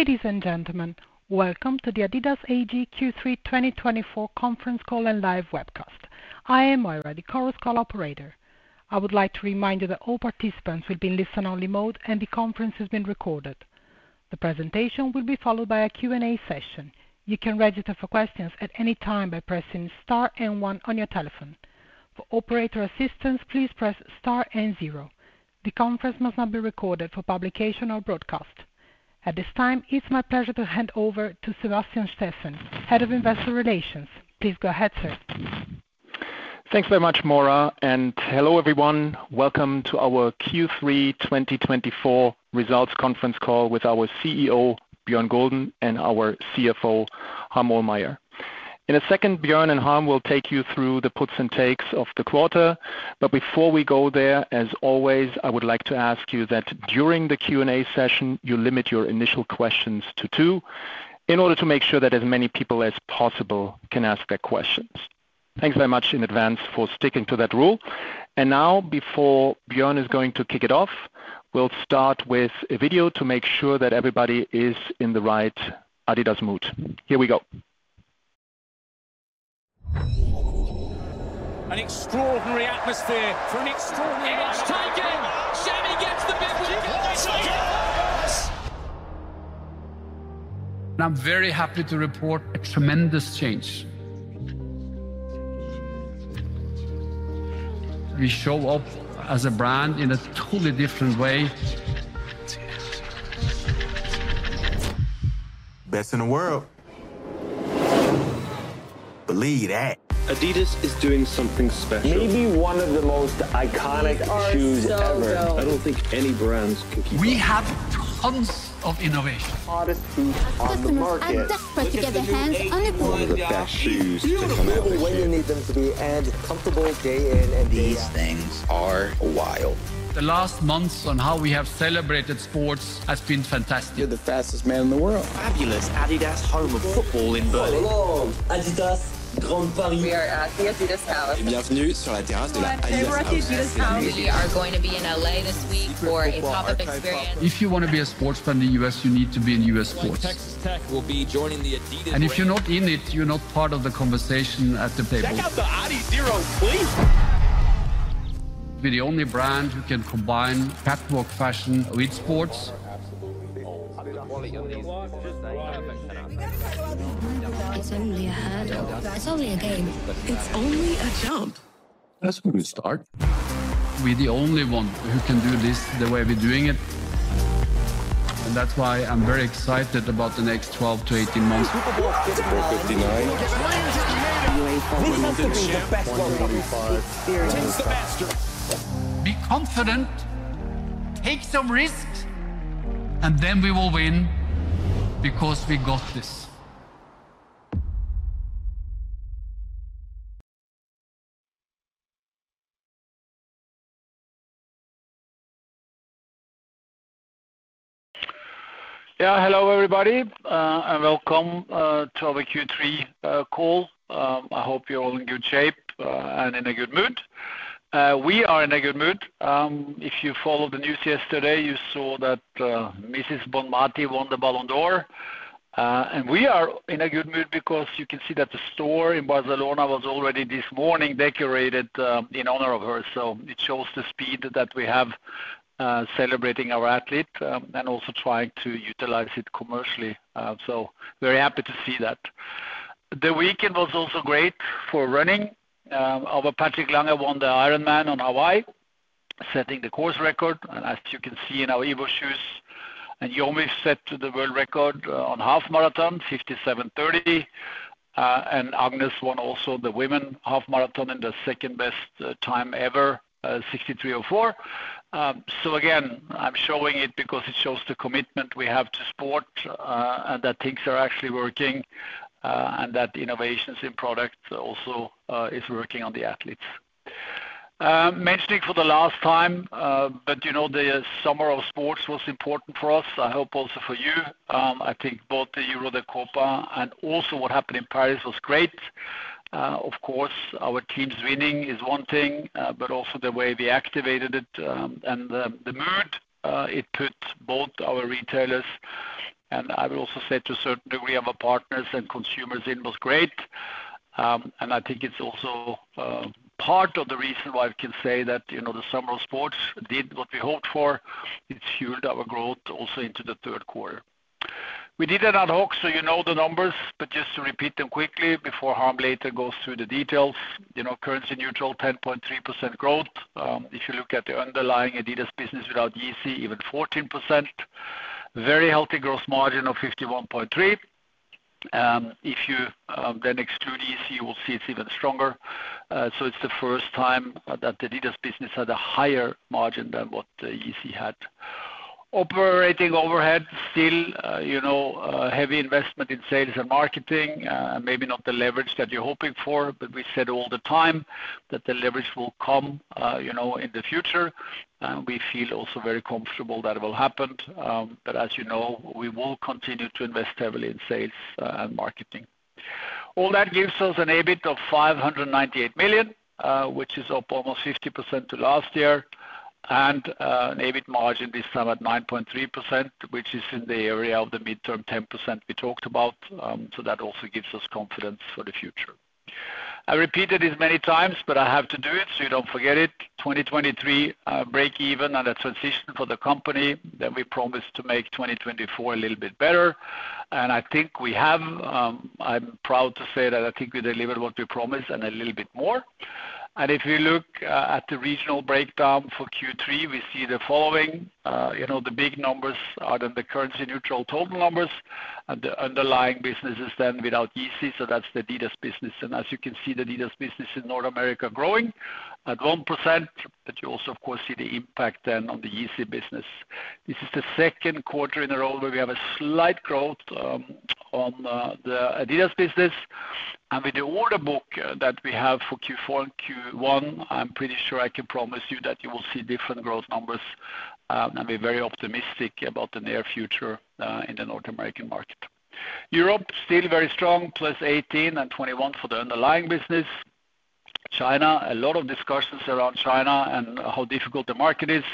Ladies and gentlemen, welcome to the adidas AG Q3 2024 Conference Call and live webcast. I am your Eddie Koros, call operator. I would like to remind you that all participants will be in listen-only mode and the conference has been recorded. The presentation will be followed by a Q&A session. You can register for questions at any time by pressing Star and One on your telephone. For operator assistance, please press Star and Zero. The conference must not be recorded for publication or broadcast. At this time, it's my pleasure to hand over to Sebastian Steffen, Head of Investor Relations. Please go ahead, sir. Thanks very much, Maura. And hello, everyone. Welcome to our Q3 2024 results Conference Call with our CEO, Bjørn Gulden and our CFO, Harm Ohlmeyer. In a second, Bjørn and Harm will take you through the puts and takes of the quarter. But before we go there, as always, I would like to ask you that during the Q&A session, you limit your initial questions to two in order to make sure that as many people as possible can ask their questions. Thanks very much in advance for sticking to that rule. And now, before Bjørn is going to kick it off, we'll start with a video to make sure that everybody is in the right adidas mood. Here we go. An extraordinary atmosphere for an extraordinary adidas champion. Jamie gets the big win for the second. I'm very happy to report a tremendous change. We show up as a brand in a totally different way. Best in the world. Believe that. adidas is doing something special. Maybe one of the most iconic shoes ever. I don't think any brands can keep up. We have tons of innovation. The hardest piece on the market. I'm desperate to get my hands on a boot. The best shoes to come out this year. We really need them to be dead comfortable day in and day out. These things are wild. The last months on how we have celebrated sports has been fantastic. You're the fastest man in the world. Fabulous adidas home of football in Berlin. adidas Grand Paris. We are at the adidas house. We are here at the adidas house. We are going to be in LA this week for a pop-up experience. If you want to be a sports fan in the US, you need to be in US sports. If you're not in it, you're not part of the conversation at the table. Check out the Adizero please. We're the only brand who can combine catwalk fashion with sports. We got to talk about these green flags. It's only a game. It's only a jump. That's a good start. We're the only one who can do this the way we're doing it, and that's why I'm very excited about the next 12 to 18 months. Be confident, take some risks, and then we will win because we got this. Yeah, hello, everybody, and welcome to our Q3 call. I hope you're all in a good shape and in a good mood. We are in a good mood. If you followed the news yesterday, you saw that Aitana Bonmatí won the Ballon d'Or, and we are in a good mood because you can see that the store in Barcelona was already this morning decorated in honor of her, so it shows the speed that we have celebrating our athlete and also trying to utilize it commercially, so very happy to see that. The weekend was also great for running. Our Patrick Lange won the Ironman in Hawaii, setting the course record, as you can see in our Evo shoes, and Yomif set the world record on half marathon, 57.30. Agnes won also the women's half marathon in the second best time ever, 63.04. So again, I'm showing it because it shows the commitment we have to sport and that things are actually working and that innovations in product also are working on the athletes. Mentioning for the last time, but the summer of sports was important for us. I hope also for you. I think both the Euro and the Copa and also what happened in Paris was great. Of course, our team's winning is one thing, but also the way we activated it and the mood it put both our retailers and I would also say to a certain degree our partners and consumers in was great. And I think it's also part of the reason why I can say that the summer of sports did what we hoped for. It fueled our growth also into the Q3. We did an ad hoc, so you know the numbers, but just to repeat them quickly before Harm later goes through the details. Currency neutral, 10.3% growth. If you look at the underlying adidas business without Yeezy, even 14%. Very healthy gross margin of 51.3%. If you then exclude Yeezy, you will see it's even stronger. So it's the first time that the adidas business had a higher margin than what Yeezy had. Operating overhead still heavy investment in sales and marketing, maybe not the leverage that you're hoping for, but we said all the time that the leverage will come in the future. And we feel also very comfortable that it will happen. But as you know, we will continue to invest heavily in sales and marketing. All that gives us an EBIT of 598 million, which is up almost 50% to last year. An EBIT margin this time at 9.3%, which is in the area of the midterm 10% we talked about. So that also gives us confidence for the future. I repeated it many times, but I have to do it so you don't forget it. 2023 break-even and a transition for the company. Then we promised to make 2024 a little bit better. And I think we have. I'm proud to say that I think we delivered what we promised and a little bit more. And if you look at the regional breakdown for Q3, we see the following. The big numbers are then the currency neutral total numbers. And the underlying business is then without Yeezy. So that's the adidas business. And as you can see, the adidas business in North America is growing at 1%. But you also, of course, see the impact then on the Yeezy business. This is the Q2 in a row where we have a slight growth on the adidas business. With the order book that we have for Q4 and Q1, I'm pretty sure I can promise you that you will see different growth numbers. We're very optimistic about the near future in the North American market. Europe is still very strong, plus 18% and 21% for the underlying business. China, a lot of discussions around China and how difficult the market is.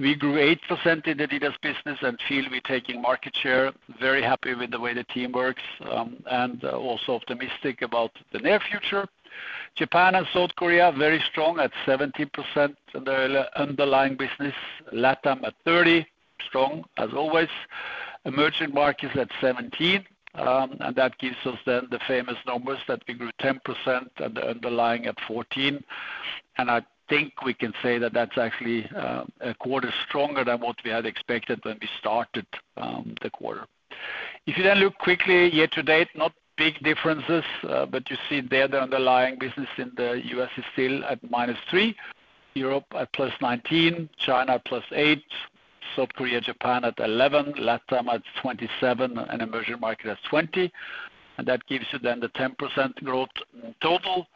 We grew 8% in the adidas business and feel we're taking market share. Very happy with the way the team works and also optimistic about the near future. Japan and South Korea are very strong at 17% in the underlying business. LATAM at 30%, strong as always. Emerging markets at 17%. And that gives us then the famous numbers that we grew 10% and the underlying at 14%. And I think we can say that that's actually a quarter stronger than what we had expected when we started the quarter. If you then look quickly year to date, not big differences, but you see there the underlying business in the US is still at -3%, Europe at +19%, China at +8%, South Korea, Japan at +11%, LATAM at +27%, and emerging market at +20%. And that gives you then the 10% growth total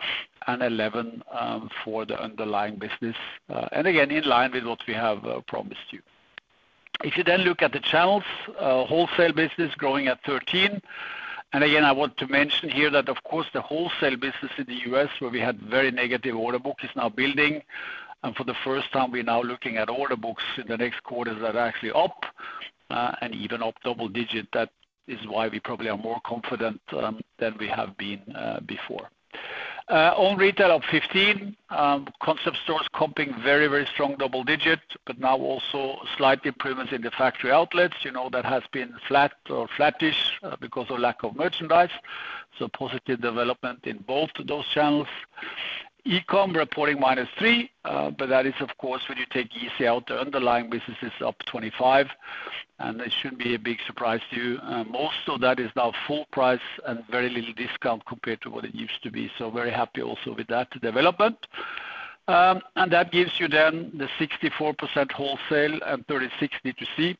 and 11% for the underlying business. And again, in line with what we have promised you. If you then look at the channels, wholesale business growing at 13%. And again, I want to mention here that, of course, the wholesale business in the US, where we had very negative order books, is now building. For the first time, we're now looking at order books in the next quarter that are actually up and even up double digit. That is why we probably are more confident than we have been before. On retail, up 15%. Concept stores are comping very, very strong double digit, but now also slight improvements in the factory outlets. You know that has been flat or flattish because of lack of merchandise. So positive development in both of those channels. E-comm reporting minus 3%, but that is, of course, when you take Yeezy out, the underlying business is up 25%. And it shouldn't be a big surprise to you. Most of that is now full price and very little discount compared to what it used to be. So very happy also with that development. And that gives you then the 64% wholesale and 36% D2C.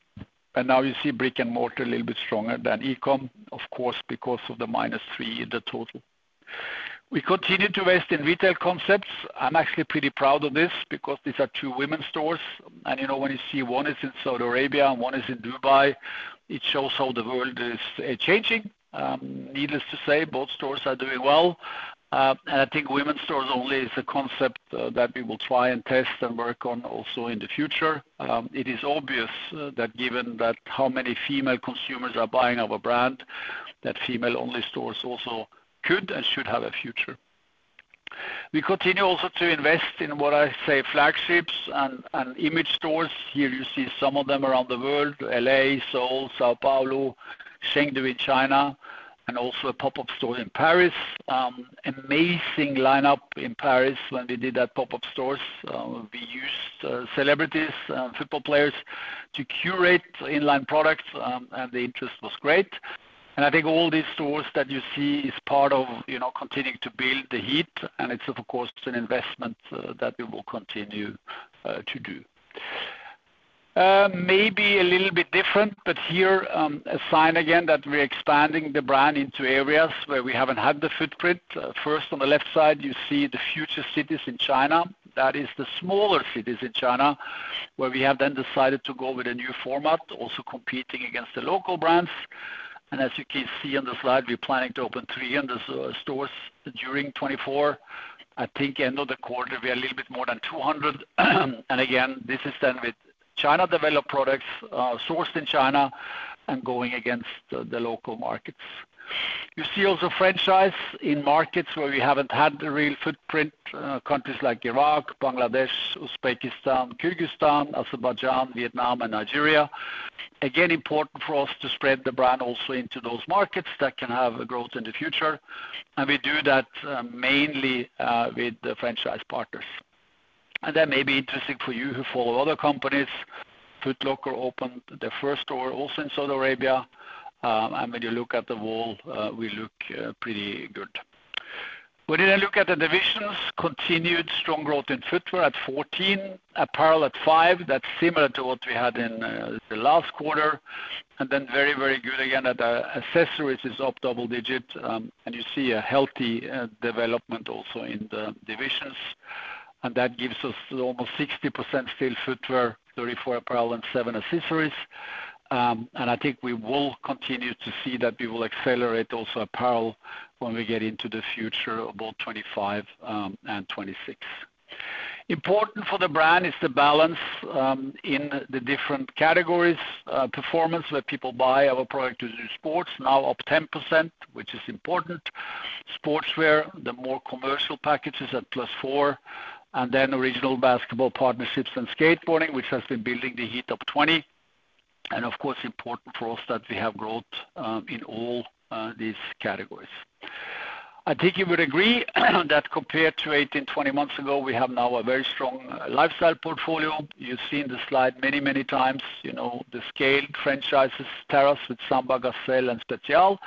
And now you see brick and mortar a little bit stronger than e-comm, of course, because of the -3% in the total. We continue to invest in retail concepts. I'm actually pretty proud of this because these are two women's stores. And when you see one is in Saudi Arabia and one is in Dubai, it shows how the world is changing. Needless to say, both stores are doing well. And I think women's stores only is a concept that we will try and test and work on also in the future. It is obvious that given how many female consumers are buying our brand, that female-only stores also could and should have a future. We continue also to invest in what I say flagships and image stores. Here you see some of them around the world: LA, Seoul, São Paulo, Chengdu in China, and also a pop-up store in Paris. Amazing lineup in Paris when we did that pop-up stores. We used celebrities and football players to curate inline products, and the interest was great. And I think all these stores that you see are part of continuing to build the heat. And it's, of course, an investment that we will continue to do. Maybe a little bit different, but here a sign again that we're expanding the brand into areas where we haven't had the footprint. First, on the left side, you see the future cities in China. That is the smaller cities in China where we have then decided to go with a new format, also competing against the local brands. And as you can see on the slide, we're planning to open 300 stores during 2024. I think end of the quarter, we are a little bit more than 200. And again, this is done with China-developed products sourced in China and going against the local markets. You see also franchise in markets where we haven't had the real footprint, countries like Iraq, Bangladesh, Uzbekistan, Kyrgyzstan, Azerbaijan, Vietnam, and Nigeria. Again, important for us to spread the brand also into those markets that can have a growth in the future. And we do that mainly with the franchise partners. And that may be interesting for you who follow other companies. Foot Locker opened their first store also in Saudi Arabia. And when you look at the wall, we look pretty good. When you then look at the divisions, continued strong growth in footwear at 14%, apparel at 5%. That's similar to what we had in the last quarter. Then very, very good again that accessories is up double-digit. You see a healthy development also in the divisions. That gives us almost 60% still footwear, 34% apparel, and 7% accessories. I think we will continue to see that we will accelerate also apparel when we get into the future of both 2025 and 2026. Important for the brand is the balance in the different categories. Performance where people buy our product to do sports, now up 10%, which is important. Sportswear, the more commercial packages at +4%. Then Originals basketball partnerships and skateboarding, which has been building the heat up 20%. Of course, important for us that we have growth in all these categories. I think you would agree that compared to 18, 20 months ago, we have now a very strong lifestyle portfolio. You've seen the slide many, many times. The scaled franchises Terrace with Samba, Gazelle, and Special.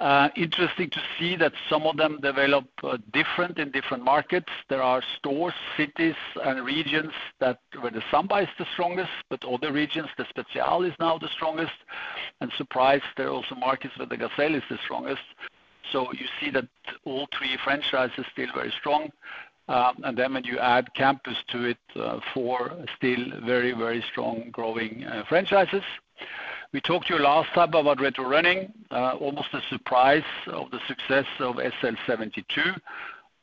Interesting to see that some of them develop different in different markets. There are stores, cities, and regions where the Samba is the strongest, but other regions, the Special is now the strongest. And surprise, there are also markets where the Gazelle is the strongest. So you see that all three franchises are still very strong. And then when you add Campus to it, four still very, very strong growing franchises. We talked to you last time about retro running, almost a surprise of the success of SL72.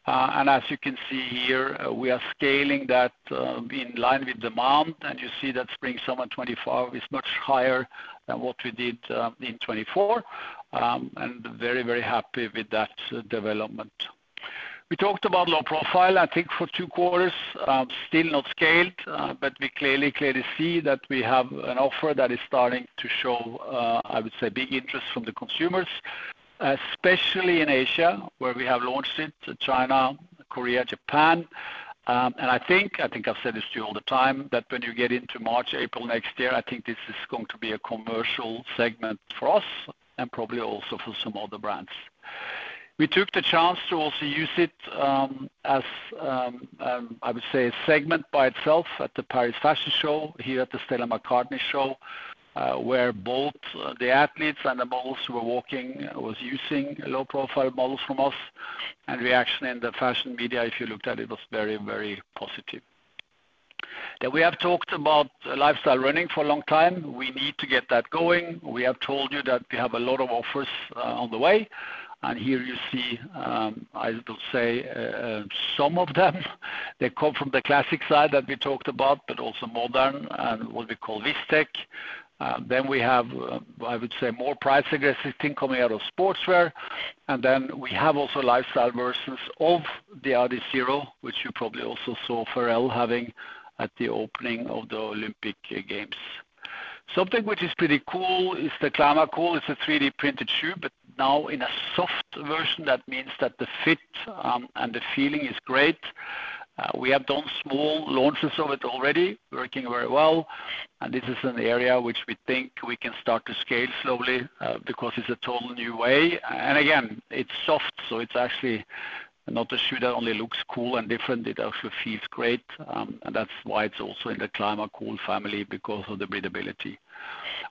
And as you can see here, we are scaling that in line with demand. You see that spring summer 2025 is much higher than what we did in 2024. Very, very happy with that development. We talked about low profile, I think, for two quarters, still not scaled, but we clearly see that we have an offer that is starting to show, I would say, big interest from the consumers, especially in Asia where we have launched it, China, Korea, Japan. I think, I think I've said this to you all the time, that when you get into March, April next year, I think this is going to be a commercial segment for us and probably also for some other brands. We took the chance to also use it as, I would say, a segment by itself at the Paris Fashion Show here at the Stella McCartney Show, where both the athletes and the models were walking, was using low profile models from us. And reaction in the fashion media, if you looked at it, was very, very positive. Then we have talked about lifestyle running for a long time. We need to get that going. We have told you that we have a lot of offers on the way. And here you see, I will say, some of them. They come from the classic side that we talked about, but also modern and what we call Vis Tech. Then we have, I would say, more price-aggressive things coming out of sportswear. And then we have also lifestyle versions of the Adizero, which you probably also saw Pharrell having at the opening of the Olympic Games. Something which is pretty cool is the ClimaCool. It's a 3D printed shoe, but now in a soft version. That means that the fit and the feeling is great. We have done small launches of it already, working very well. And this is an area which we think we can start to scale slowly because it's a total new way. And again, it's soft, so it's actually not a shoe that only looks cool and different. It actually feels great. And that's why it's also in the ClimaCool family because of the breathability.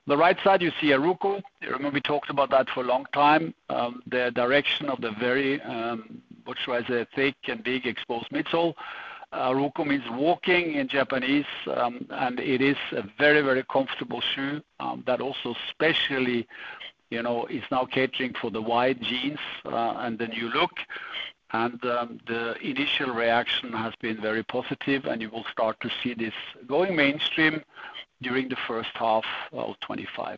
On the right side, you see Aruku. You remember we talked about that for a long time. The direction of the very, what should I say, thick and big exposed midsole? Aruku means walking in Japanese. And it is a very, very comfortable shoe that also especially is now catering for the wide jeans and the new look. And the initial reaction has been very positive. And you will start to see this going mainstream during the first half of 2025.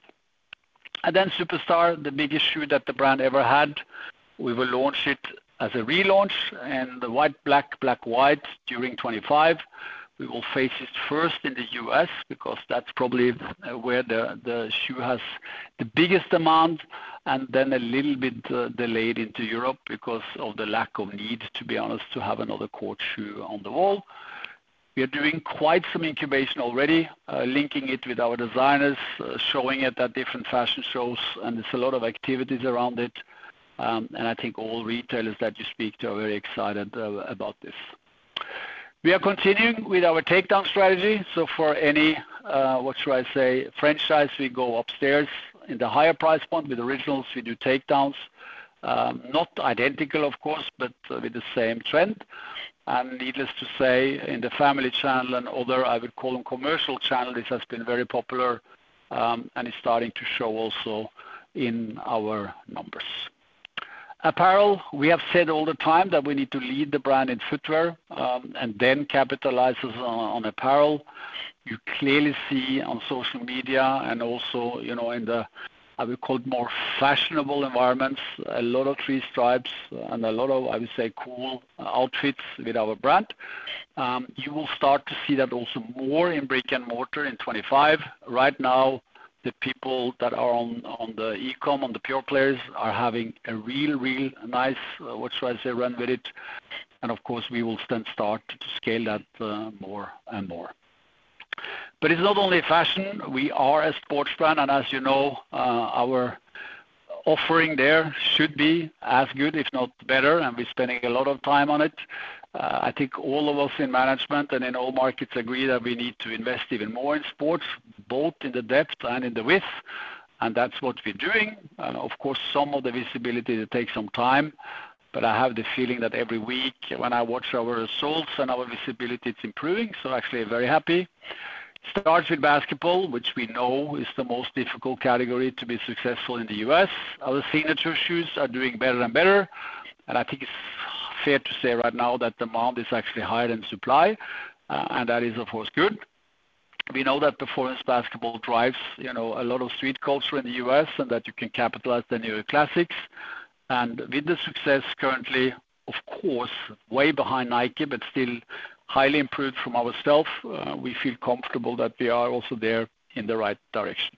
And then Superstar, the biggest shoe that the brand ever had. We will launch it as a relaunch and the white, black, black, white during 2025. We will phase it first in the U.S. because that's probably where the shoe has the biggest demand. And then a little bit delayed into Europe because of the lack of need, to be honest, to have another court shoe on the wall. We are doing quite some incubation already, linking it with our designers, showing it at different fashion shows. And there's a lot of activities around it. I think all retailers that you speak to are very excited about this. We are continuing with our takedown strategy. For any, what should I say, franchise, we go upstairs in the higher price point with Originals. We do takedowns, not identical, of course, but with the same trend. Needless to say, in the family channel and other, I would call them commercial channel, this has been very popular and is starting to show also in our numbers. Apparel, we have said all the time that we need to lead the brand in footwear and then capitalize on apparel. You clearly see on social media and also in the, I would call it, more fashionable environments, a lot of three stripes and a lot of, I would say, cool outfits with our brand. You will start to see that also more in brick and mortar in 2025. Right now, the people that are on the e-comm, on the pure players, are having a real, real nice, what should I say, run with it, and of course, we will then start to scale that more and more, but it's not only fashion. We are a sports brand, and as you know, our offering there should be as good, if not better, and we're spending a lot of time on it. I think all of us in management and in all markets agree that we need to invest even more in sports, both in the depth and in the width, and that's what we're doing, and of course, some of the visibility, it takes some time, but I have the feeling that every week when I watch our results and our visibility, it's improving, so actually, I'm very happy. Starts with basketball, which we know is the most difficult category to be successful in the U.S. Our signature shoes are doing better and better, and I think it's fair to say right now that demand is actually higher than supply, and that is, of course, good. We know that performance basketball drives a lot of street culture in the U.S. and that you can capitalize the New York classics. With the success currently, of course, way behind Nike, but still highly improved from ourselves, we feel comfortable that we are also there in the right direction.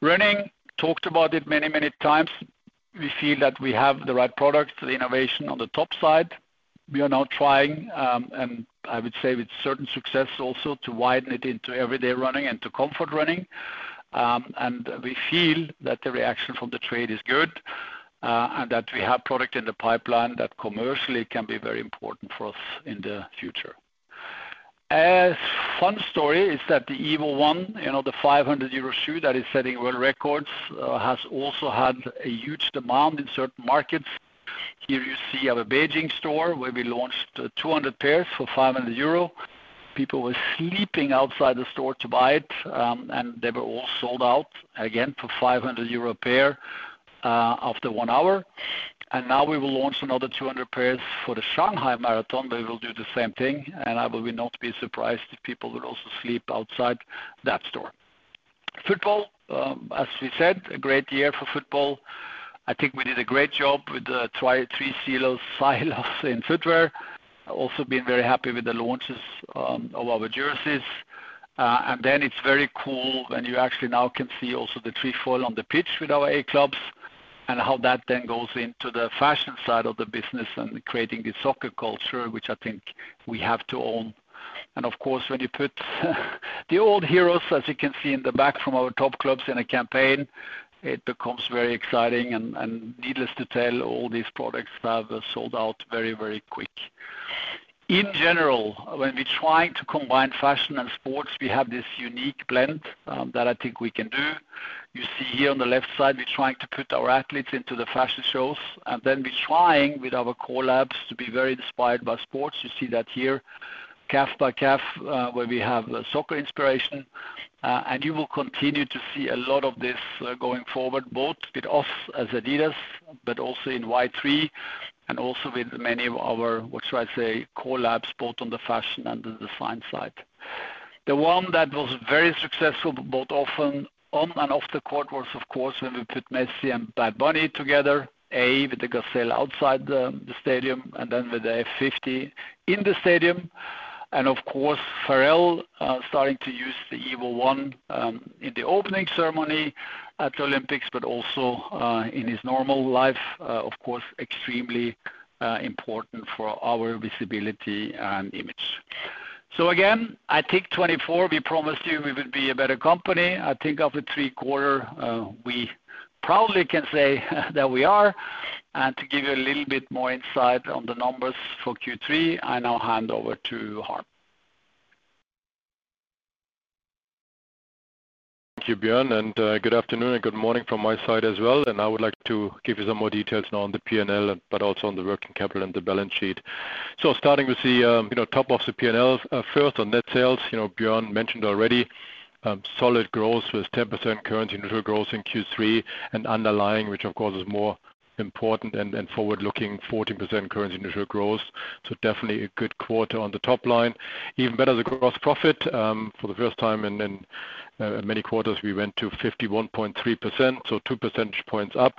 Running, talked about it many, many times. We feel that we have the right product, the innovation on the top side. We are now trying, and I would say with certain success also to widen it into everyday running and to comfort running. We feel that the reaction from the trade is good and that we have product in the pipeline that commercially can be very important for us in the future. A fun story is that the Evo1, the 500 euro shoe that is setting world records, has also had a huge demand in certain markets. Here you see our Beijing store where we launched 200 pairs for 500 euro. People were sleeping outside the store to buy it, and they were all sold out again for 500 euro a pair after one hour. Now we will launch another 200 pairs for the Shanghai Marathon, but we will do the same thing. I will not be surprised if people would also sleep outside that store. Football, as we said, a great year for football. I think we did a great job with the three silos in footwear. Also being very happy with the launches of our jerseys. And then it's very cool when you actually now can see also the Trefoil on the pitch with our A clubs and how that then goes into the fashion side of the business and creating the soccer culture, which I think we have to own. And of course, when you put the old heroes, as you can see in the back from our top clubs in a campaign, it becomes very exciting. And needless to tell, all these products have sold out very, very quick. In general, when we're trying to combine fashion and sports, we have this unique blend that I think we can do. You see here on the left side, we're trying to put our athletes into the fashion shows. And then we're trying with our collabs to be very inspired by sports. You see that here, category by category, where we have soccer inspiration. And you will continue to see a lot of this going forward, both with us as Adidas, but also in Y-3, and also with many of our, what should I say, collabs, both on the fashion and the design side. The one that was very successful, both on and off the court was, of course, when we put Messi and Bad Bunny together, as with the Gazelle outside the stadium, and then with the F50 in the stadium. And of course, Pharrell starting to use the Evo1 in the opening ceremony at the Olympics, but also in his normal life, of course, extremely important for our visibility and image. Again, I think 2024, we promised you we would be a better company. I think after three quarters, we proudly can say that we are. To give you a little bit more insight on the numbers for Q3, I now hand over to Harm. Thank you, Bjørn. And good afternoon and good morning from my side as well. And I would like to give you some more details now on the P&L, but also on the working capital and the balance sheet. So starting with the top of the P&L, first on net sales, Bjørn mentioned already, solid growth with 10% currency neutral growth in Q3 and underlying, which of course is more important and forward-looking, 14% currency neutral growth. So definitely a good quarter on the top line. Even better as a gross profit. For the first time in many quarters, we went to 51.3%, so two percentage points up.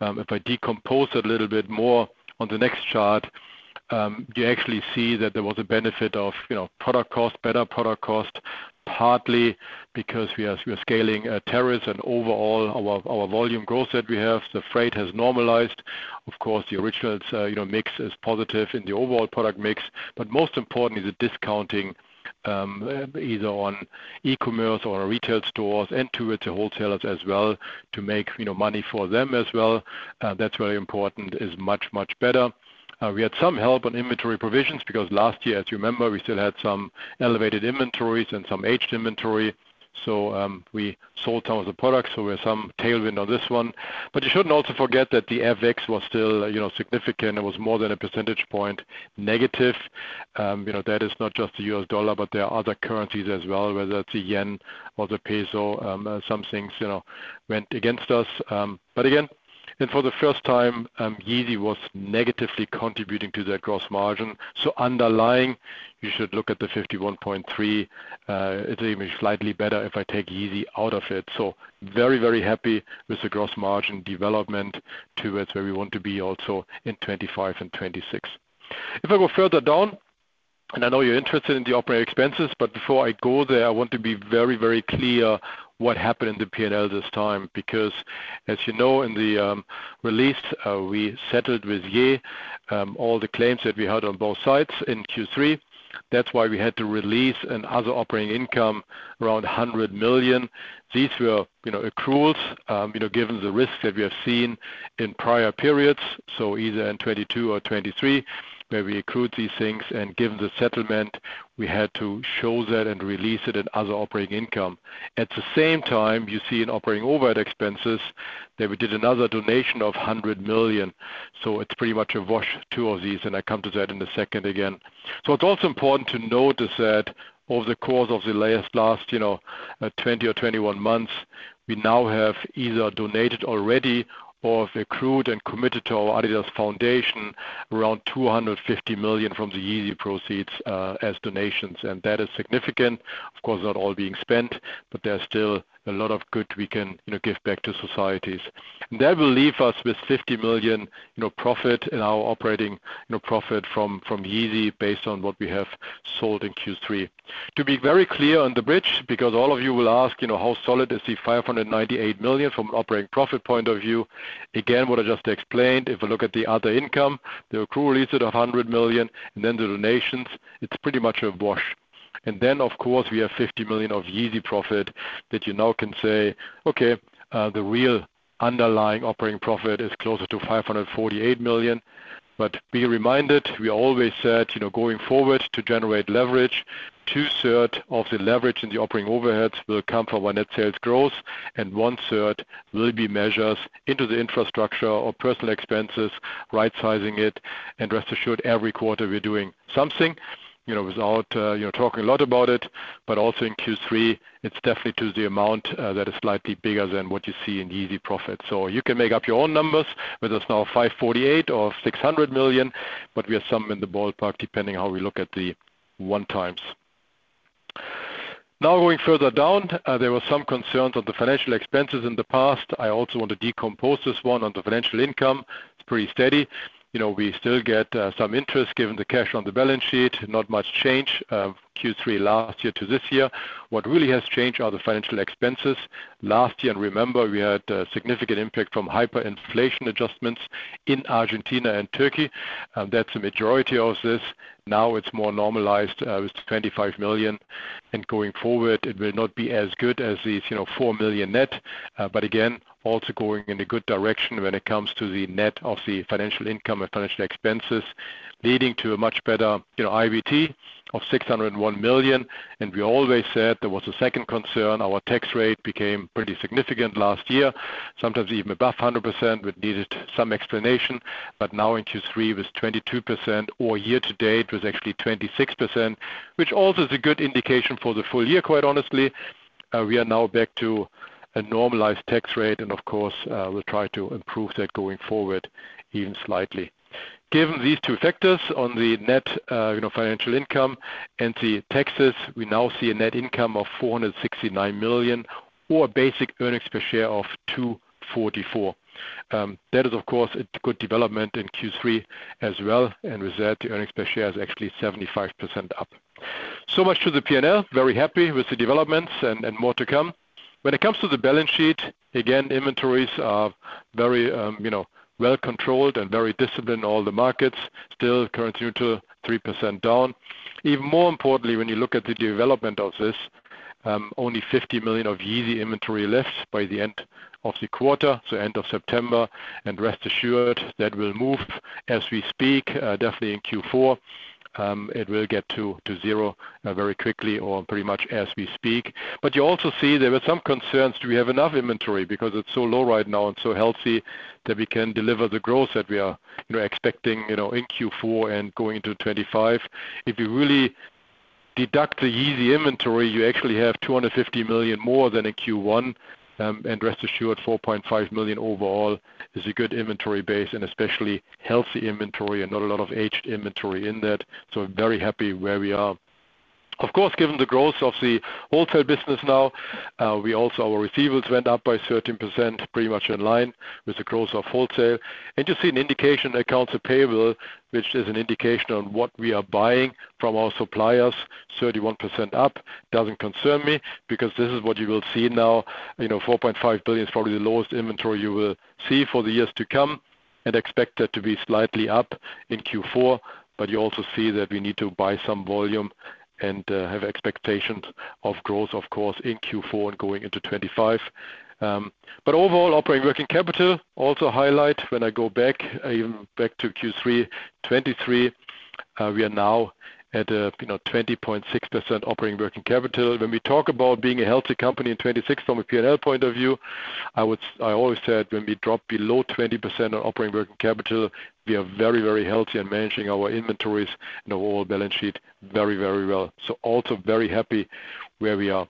If I decompose it a little bit more on the next chart, you actually see that there was a benefit of product cost, better product cost, partly because we are scaling tariffs and overall our volume growth that we have. The freight has normalized. Of course, the Originals mix is positive in the overall product mix. But most important is the discounting either on e-commerce or retail stores and to its wholesalers as well to make money for them as well. That's very important. It is much, much better. We had some help on inventory provisions because last year, as you remember, we still had some elevated inventories and some aged inventory. So we sold some of the products. So we had some tailwind on this one. But you shouldn't also forget that the FX was still significant. It was more than a percentage point negative. That is not just the U.S. dollar, but there are other currencies as well, whether it's the yen or the peso. Some things went against us. But again, for the first time, Yeezy was negatively contributing to their gross margin. So underlying, you should look at the 51.3%. It's even slightly better if I take Yeezy out of it. So very, very happy with the gross margin development towards where we want to be also in 2025 and 2026. If I go further down, and I know you're interested in the operating expenses, but before I go there, I want to be very, very clear what happened in the P&L this time because, as you know, in the release, we settled with Ye all the claims that we had on both sides in Q3. That's why we had to release another operating income around €100 million. These were accruals, given the risks that we have seen in prior periods, so either in 2022 or 2023, where we accrued these things, and given the settlement, we had to show that and release it in other operating income. At the same time, you see in operating overhead expenses that we did another donation of 100 million, so it's pretty much a wash two of these, and I come to that in a second again, so it's also important to note is that over the course of the last 20 or 21 months, we now have either donated already or have accrued and committed to our adidas Foundation around 250 million from the Yeezy proceeds as donations, and that is significant. Of course, not all being spent, but there's still a lot of good we can give back to societies. That will leave us with 50 million profit in our operating profit from Yeezy based on what we have sold in Q3. To be very clear on the bridge, because all of you will ask, how solid is the 598 million from an operating profit point of view? Again, what I just explained, if we look at the other income, the accrual is at 100 million, and then the donations, it's pretty much a wash. And then, of course, we have 50 million of Yeezy profit that you now can say, okay, the real underlying operating profit is closer to 548 million. But be reminded, we always said, going forward to generate leverage, two-thirds of the leverage in the operating overheads will come from our net sales growth, and one-third will be measures into the infrastructure or personal expenses, right-sizing it. And rest assured, every quarter we're doing something without talking a lot about it, but also in Q3, it's definitely to the amount that is slightly bigger than what you see in Yeezy profits. So you can make up your own numbers with us now of €548 million or €600 million, but we have some in the ballpark depending on how we look at the one times. Now going further down, there were some concerns on the financial expenses in the past. I also want to decompose this one on the financial income. It's pretty steady. We still get some interest given the cash on the balance sheet, not much change Q3 last year to this year. What really has changed are the financial expenses last year. And remember, we had a significant impact from hyperinflation adjustments in Argentina and Turkey. That's the majority of this. Now it's more normalized with 25 million. And going forward, it will not be as good as these 4 million net, but again, also going in a good direction when it comes to the net of the financial income and financial expenses, leading to a much better IBT of 601 million. And we always said there was a second concern. Our tax rate became pretty significant last year, sometimes even above 100%, which needed some explanation. But now in Q3, it was 22%, or year to date, it was actually 26%, which also is a good indication for the full year, quite honestly. We are now back to a normalized tax rate, and of course, we'll try to improve that going forward even slightly. Given these two factors on the net financial income and the taxes, we now see a net income of €469 million or a basic earnings per share of 244. That is, of course, a good development in Q3 as well. And with that, the earnings per share is actually 75% up. So much to the P&L. Very happy with the developments and more to come. When it comes to the balance sheet, again, inventories are very well controlled and very disciplined in all the markets. Still, currency neutral, 3% down. Even more importantly, when you look at the development of this, only €50 million of Yeezy inventory left by the end of the quarter, so end of September. And rest assured that will move as we speak, definitely in Q4. It will get to zero very quickly or pretty much as we speak. But you also see there were some concerns. Do we have enough inventory? Because it's so low right now and so healthy that we can deliver the growth that we are expecting in Q4 and going into 2025. If you really deduct the Yeezy inventory, you actually have 250 million more than in Q1. And rest assured, 4.5 million overall is a good inventory base and especially healthy inventory and not a lot of aged inventory in that. So very happy where we are. Of course, given the growth of the wholesale business now, we also our receivables went up by 13%, pretty much in line with the growth of wholesale. And you see an indication accounts payable, which is an indication on what we are buying from our suppliers, 31% up. Doesn't concern me because this is what you will see now. 4.5 billion is probably the lowest inventory you will see for the years to come, and expect that to be slightly up in Q4. But you also see that we need to buy some volume and have expectations of growth, of course, in Q4 and going into 2025. But overall, operating working capital also highlights when I go back, even back to Q3 2023, we are now at 20.6% operating working capital. When we talk about being a healthy company in 2026 from a P&L point of view, I always said when we drop below 20% on operating working capital, we are very, very healthy and managing our inventories and our overall balance sheet very, very well. So we are also very happy where we are.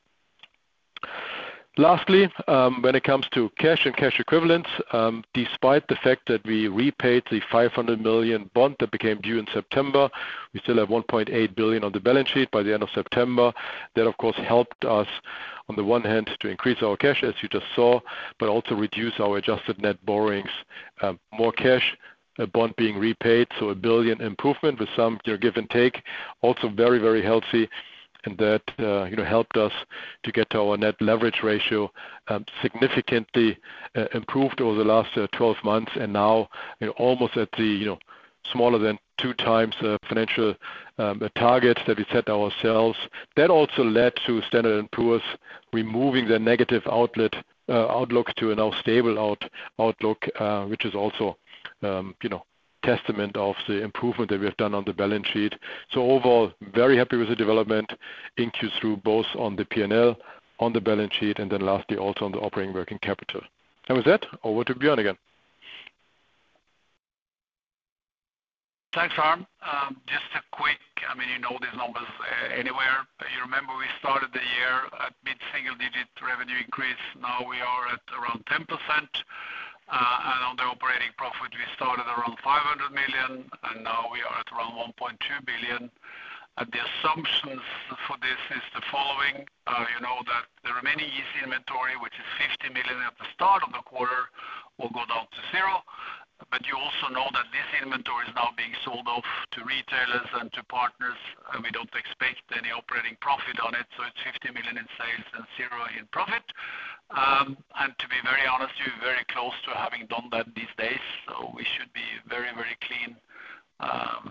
Lastly, when it comes to cash and cash equivalents, despite the fact that we repaid the 500 million bond that became due in September, we still have 1.8 billion on the balance sheet by the end of September. That, of course, helped us on the one hand to increase our cash, as you just saw, but also reduce our adjusted net borrowings. More cash, a bond being repaid, so a 1 billion improvement with some give and take. Also very, very healthy. And that helped us to get our net leverage ratio significantly improved over the last 12 months and now almost at the smaller than two times the financial target that we set ourselves. That also led to Standard & Poor's removing their negative outlook to a now stable outlook, which is also a testament of the improvement that we have done on the balance sheet. So overall, very happy with the development in Q3, both on the P&L, on the balance sheet, and then lastly, also on the operating working capital. That was it. Over to Bjørn again. Thanks, Harm. Just a quick, I mean, you know these numbers anywhere. You remember we started the year at mid-single-digit revenue increase. Now we are at around 10%. And on the operating profit, we started around €500 million, and now we are at around €1.2 billion. The assumptions for this is the following. You know that the remaining Yeezy inventory, which is €50 million at the start of the quarter, will go down to zero. But you also know that this inventory is now being sold off to retailers and to partners. We don't expect any operating profit on it. So it's €50 million in sales and zero in profit. To be very honest, we're very close to having done that these days. We should be very, very clean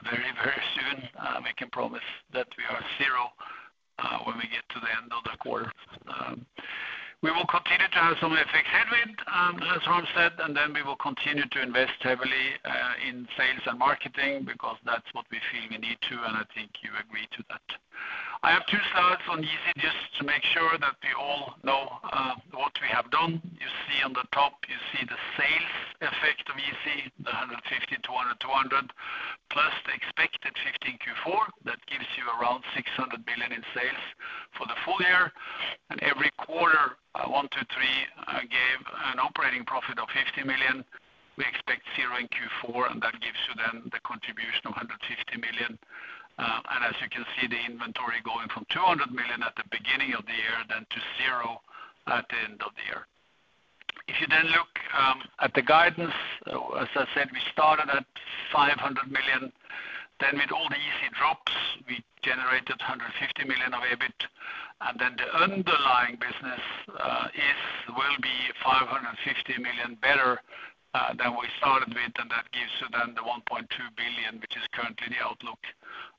very, very soon. We can promise that we are zero when we get to the end of the quarter. We will continue to have some FX headwind, as Harm said, and then we will continue to invest heavily in sales and marketing because that's what we feel we need to, and I think you agree to that. I have two slides on Yeezy just to make sure that we all know what we have done. You see on the top, you see the sales effect of Yeezy, the 150 million, 200 million, 200 million, plus the expected 15 million Q4. That gives you around 600 million in sales for the full year. Every quarter, one, two, three gave an operating profit of 50 million. We expect zero in Q4, and that gives you then the contribution of 150 million. And as you can see, the inventory going from 200 million at the beginning of the year then to zero at the end of the year. If you then look at the guidance, as I said, we started at 500 million. Then with all the Yeezy drops, we generated 150 million of EBIT. And then the underlying business will be 550 million better than we started with, and that gives you then the 1.2 billion, which is currently the outlook.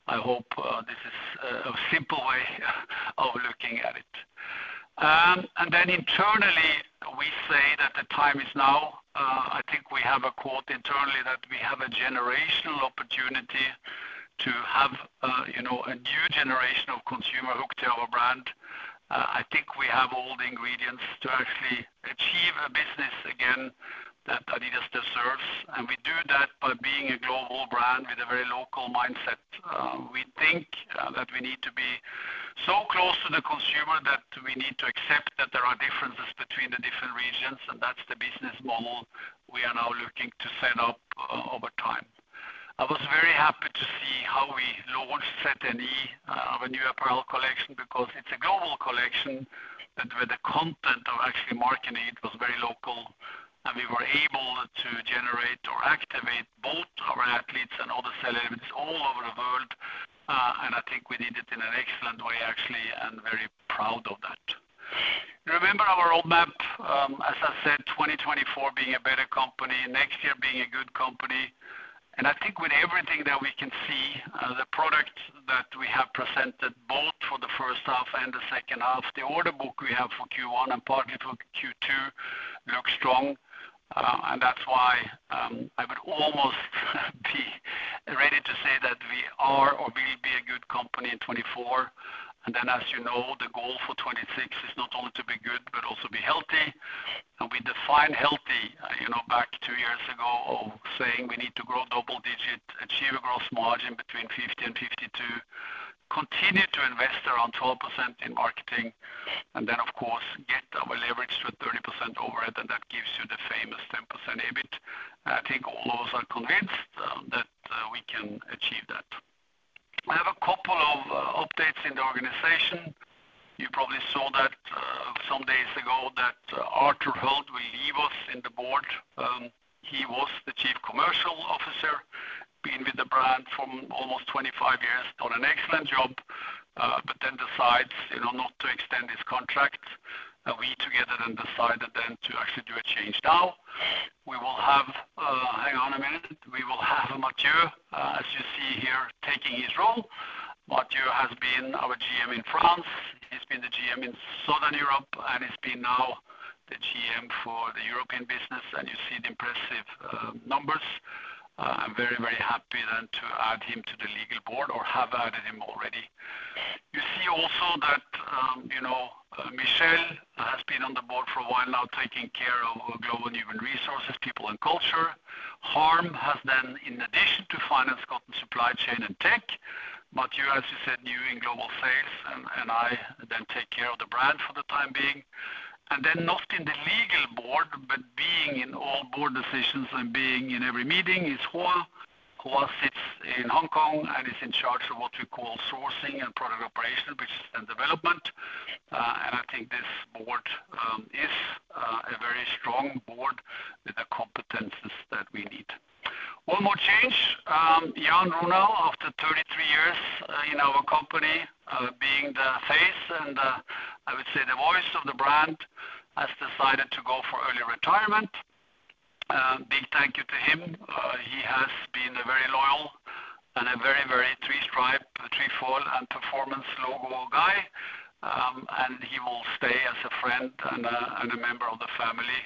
I hope this is a simple way of looking at it. And then internally, we say that the time is now. I think we have a quote internally that we have a generational opportunity to have a new generation of consumer hooked to our brand. I think we have all the ingredients to actually achieve a business again that adidas deserves. And we do that by being a global brand with a very local mindset. We think that we need to be so close to the consumer that we need to accept that there are differences between the different regions, and that's the business model we are now looking to set up over time. I was very happy to see how we launched Z.N.E., our new apparel collection, because it's a global collection, and with the content of actually marketing, it was very local. And we were able to generate or activate both our athletes and other sellers all over the world. And I think we did it in an excellent way, actually, and very proud of that. Remember our roadmap, as I said, 2024 being a better company, next year being a good company. And I think with everything that we can see, the product that we have presented both for the first half and the second half, the order book we have for Q1 and partly for Q2 looks strong. And that's why I would almost be ready to say that we are or will be a good company in 2024. And then, as you know, the goal for 2026 is not only to be good, but also be healthy. And we define healthy back two years ago of saying we need to grow double digit, achieve a gross margin between 50%-52%, continue to invest around 12% in marketing, and then, of course, get our leverage to 30% overhead, and that gives you the famous 10% EBIT. I think all of us are convinced that we can achieve that. I have a couple of updates in the organization. You probably saw that some days ago that Arthur Hoeld will leave us in the board. He was the Chief Commercial Officer, been with the brand for almost 25 years, done an excellent job, but then decides not to extend his contract. We together then decided then to actually do a change now. We will have. Hang on a minute. We will have Mathieu, as you see here, taking his role. Mathieu has been our GM in France. He's been the GM in Southern Europe, and he's been now the GM for the European business. You see the impressive numbers. I'm very, very happy then to add him to the Executive Board or have added him already. You see also that Michelle has been on the board for a while now, taking care of global human resources, people, and culture. Harm has then, in addition to finance, gotten supply chain and tech. Mathieu, as you said, new in global sales, and I then take care of the brand for the time being, and then not in the legal board, but being in all board decisions and being in every meeting is Hua. Hua sits in Hong Kong and is in charge of what we call sourcing and product operation, which is then development, and I think this board is a very strong board with the competencies that we need. One more change. Jan Runau, after 33 years in our company, being the face and, I would say, the voice of the brand, has decided to go for early retirement. Big thank you to him. He has been a very loyal and a very, very three-stripe, three-fold, and performance logo guy. He will stay as a friend and a member of the family,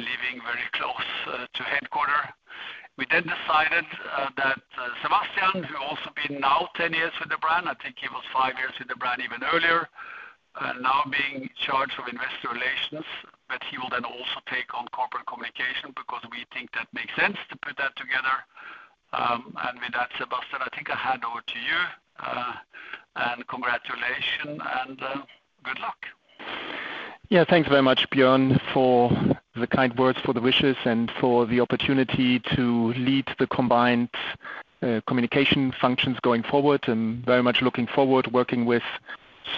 living very close to headquarters. We then decided that Sebastian, who has also been now 10 years with the brand, I think he was five years with the brand even earlier, now in charge of investor relations, but he will then also take on corporate communication because we think that makes sense to put that together. With that, Sebastian, I think I hand over to you. Congratulations and good luck. Yeah, thanks very much, Bjørn, for the kind words, for the wishes, and for the opportunity to lead the combined communication functions going forward. And very much looking forward to working with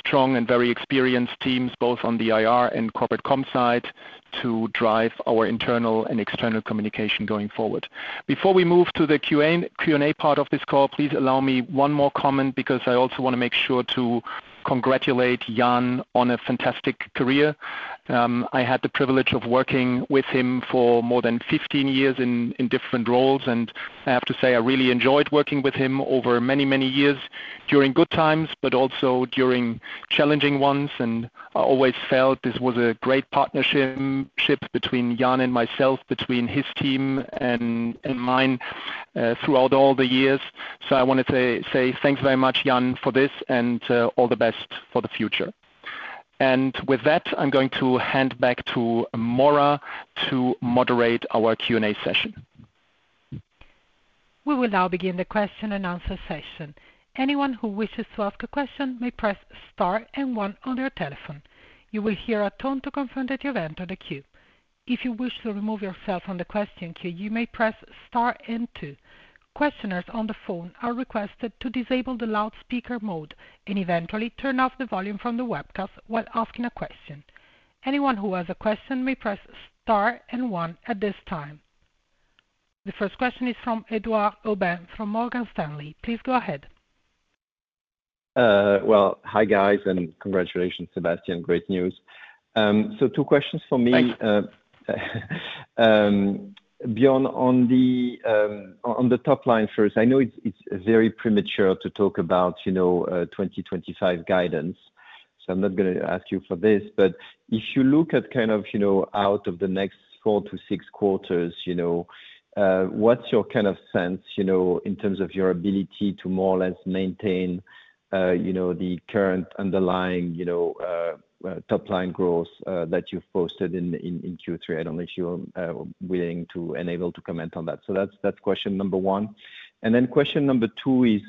strong and very experienced teams, both on the IR and corporate comm side, to drive our internal and external communication going forward. Before we move to the Q&A part of this call, please allow me one more comment because I also want to make sure to congratulate Jan on a fantastic career. I had the privilege of working with him for more than 15 years in different roles, and I have to say I really enjoyed working with him over many, many years during good times, but also during challenging ones. And I always felt this was a great partnership between Jan and myself, between his team and mine throughout all the years. So I want to say thanks very much, Jan, for this, and all the best for the future. And with that, I'm going to hand back to Maura to moderate our Q&A session. We will now begin the question and answer session. Anyone who wishes to ask a question may press Star and 1 on their telephone. You will hear a tone to confirm that you've entered the queue. If you wish to remove yourself from the question queue, you may press Star and 2. Questioners on the phone are requested to disable the loudspeaker mode and eventually turn off the volume from the webcast while asking a question. Anyone who has a question may press Star and 1 at this time. The first question is from Edouard Aubin from Morgan Stanley. Please go ahead. Well, hi guys, and congratulations, Sebastian. Great news. So two questions for me. Bjørn, on the top line first, I know it's very premature to talk about 2025 guidance. So I'm not going to ask you for this, but if you look at kind of out of the next four to six quarters, what's your kind of sense in terms of your ability to more or less maintain the current underlying top-line growth that you've posted in Q3? I don't know if you're willing to be able to comment on that. So that's question number one. And then question number two is,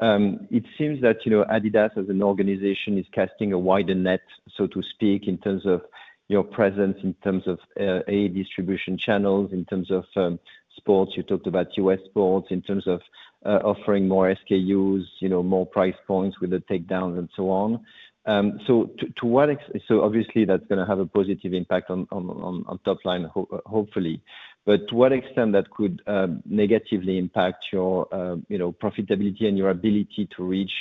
it seems that adidas, as an organization, is casting a wider net, so to speak, in terms of your presence, in terms of wide distribution channels, in terms of sports. You talked about U.S. sports, in terms of offering more SKUs, more price points with the takedowns, and so on. So obviously, that's going to have a positive impact on top line, hopefully. But to what extent that could negatively impact your profitability and your ability to reach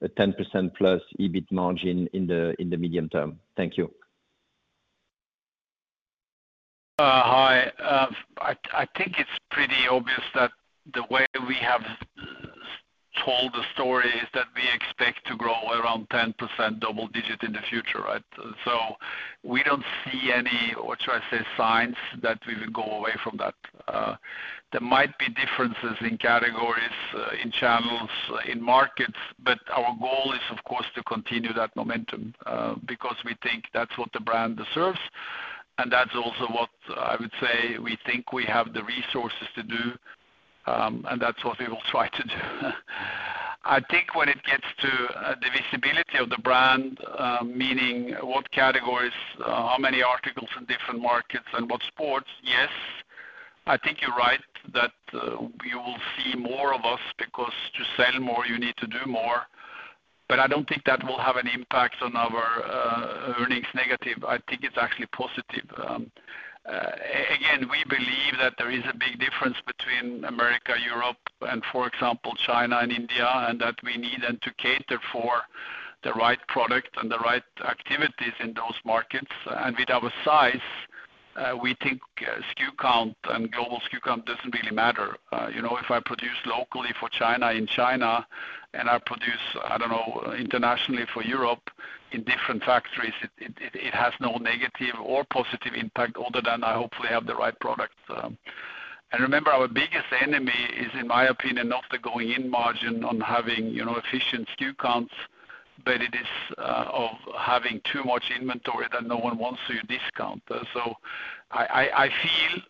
a 10% plus EBIT margin in the medium term? Thank you. Hi. I think it's pretty obvious that the way we have told the story is that we expect to grow around 10% double digit in the future, right? So we don't see any, what should I say, signs that we will go away from that. There might be differences in categories, in channels, in markets, but our goal is, of course, to continue that momentum because we think that's what the brand deserves. And that's also what I would say we think we have the resources to do, and that's what we will try to do. I think when it gets to the visibility of the brand, meaning what categories, how many articles in different markets, and what sports, yes, I think you're right that you will see more of us because to sell more, you need to do more. But I don't think that will have an impact on our earnings negative. I think it's actually positive. Again, we believe that there is a big difference between America, Europe, and, for example, China and India, and that we need them to cater for the right product and the right activities in those markets. And with our size, we think SKU count and global SKU count doesn't really matter. If I produce locally for China in China and I produce, I don't know, internationally for Europe in different factories, it has no negative or positive impact other than I hopefully have the right product. And remember, our biggest enemy is, in my opinion, not the going in margin on having efficient SKU counts, but it is of having too much inventory that no one wants to discount. So I feel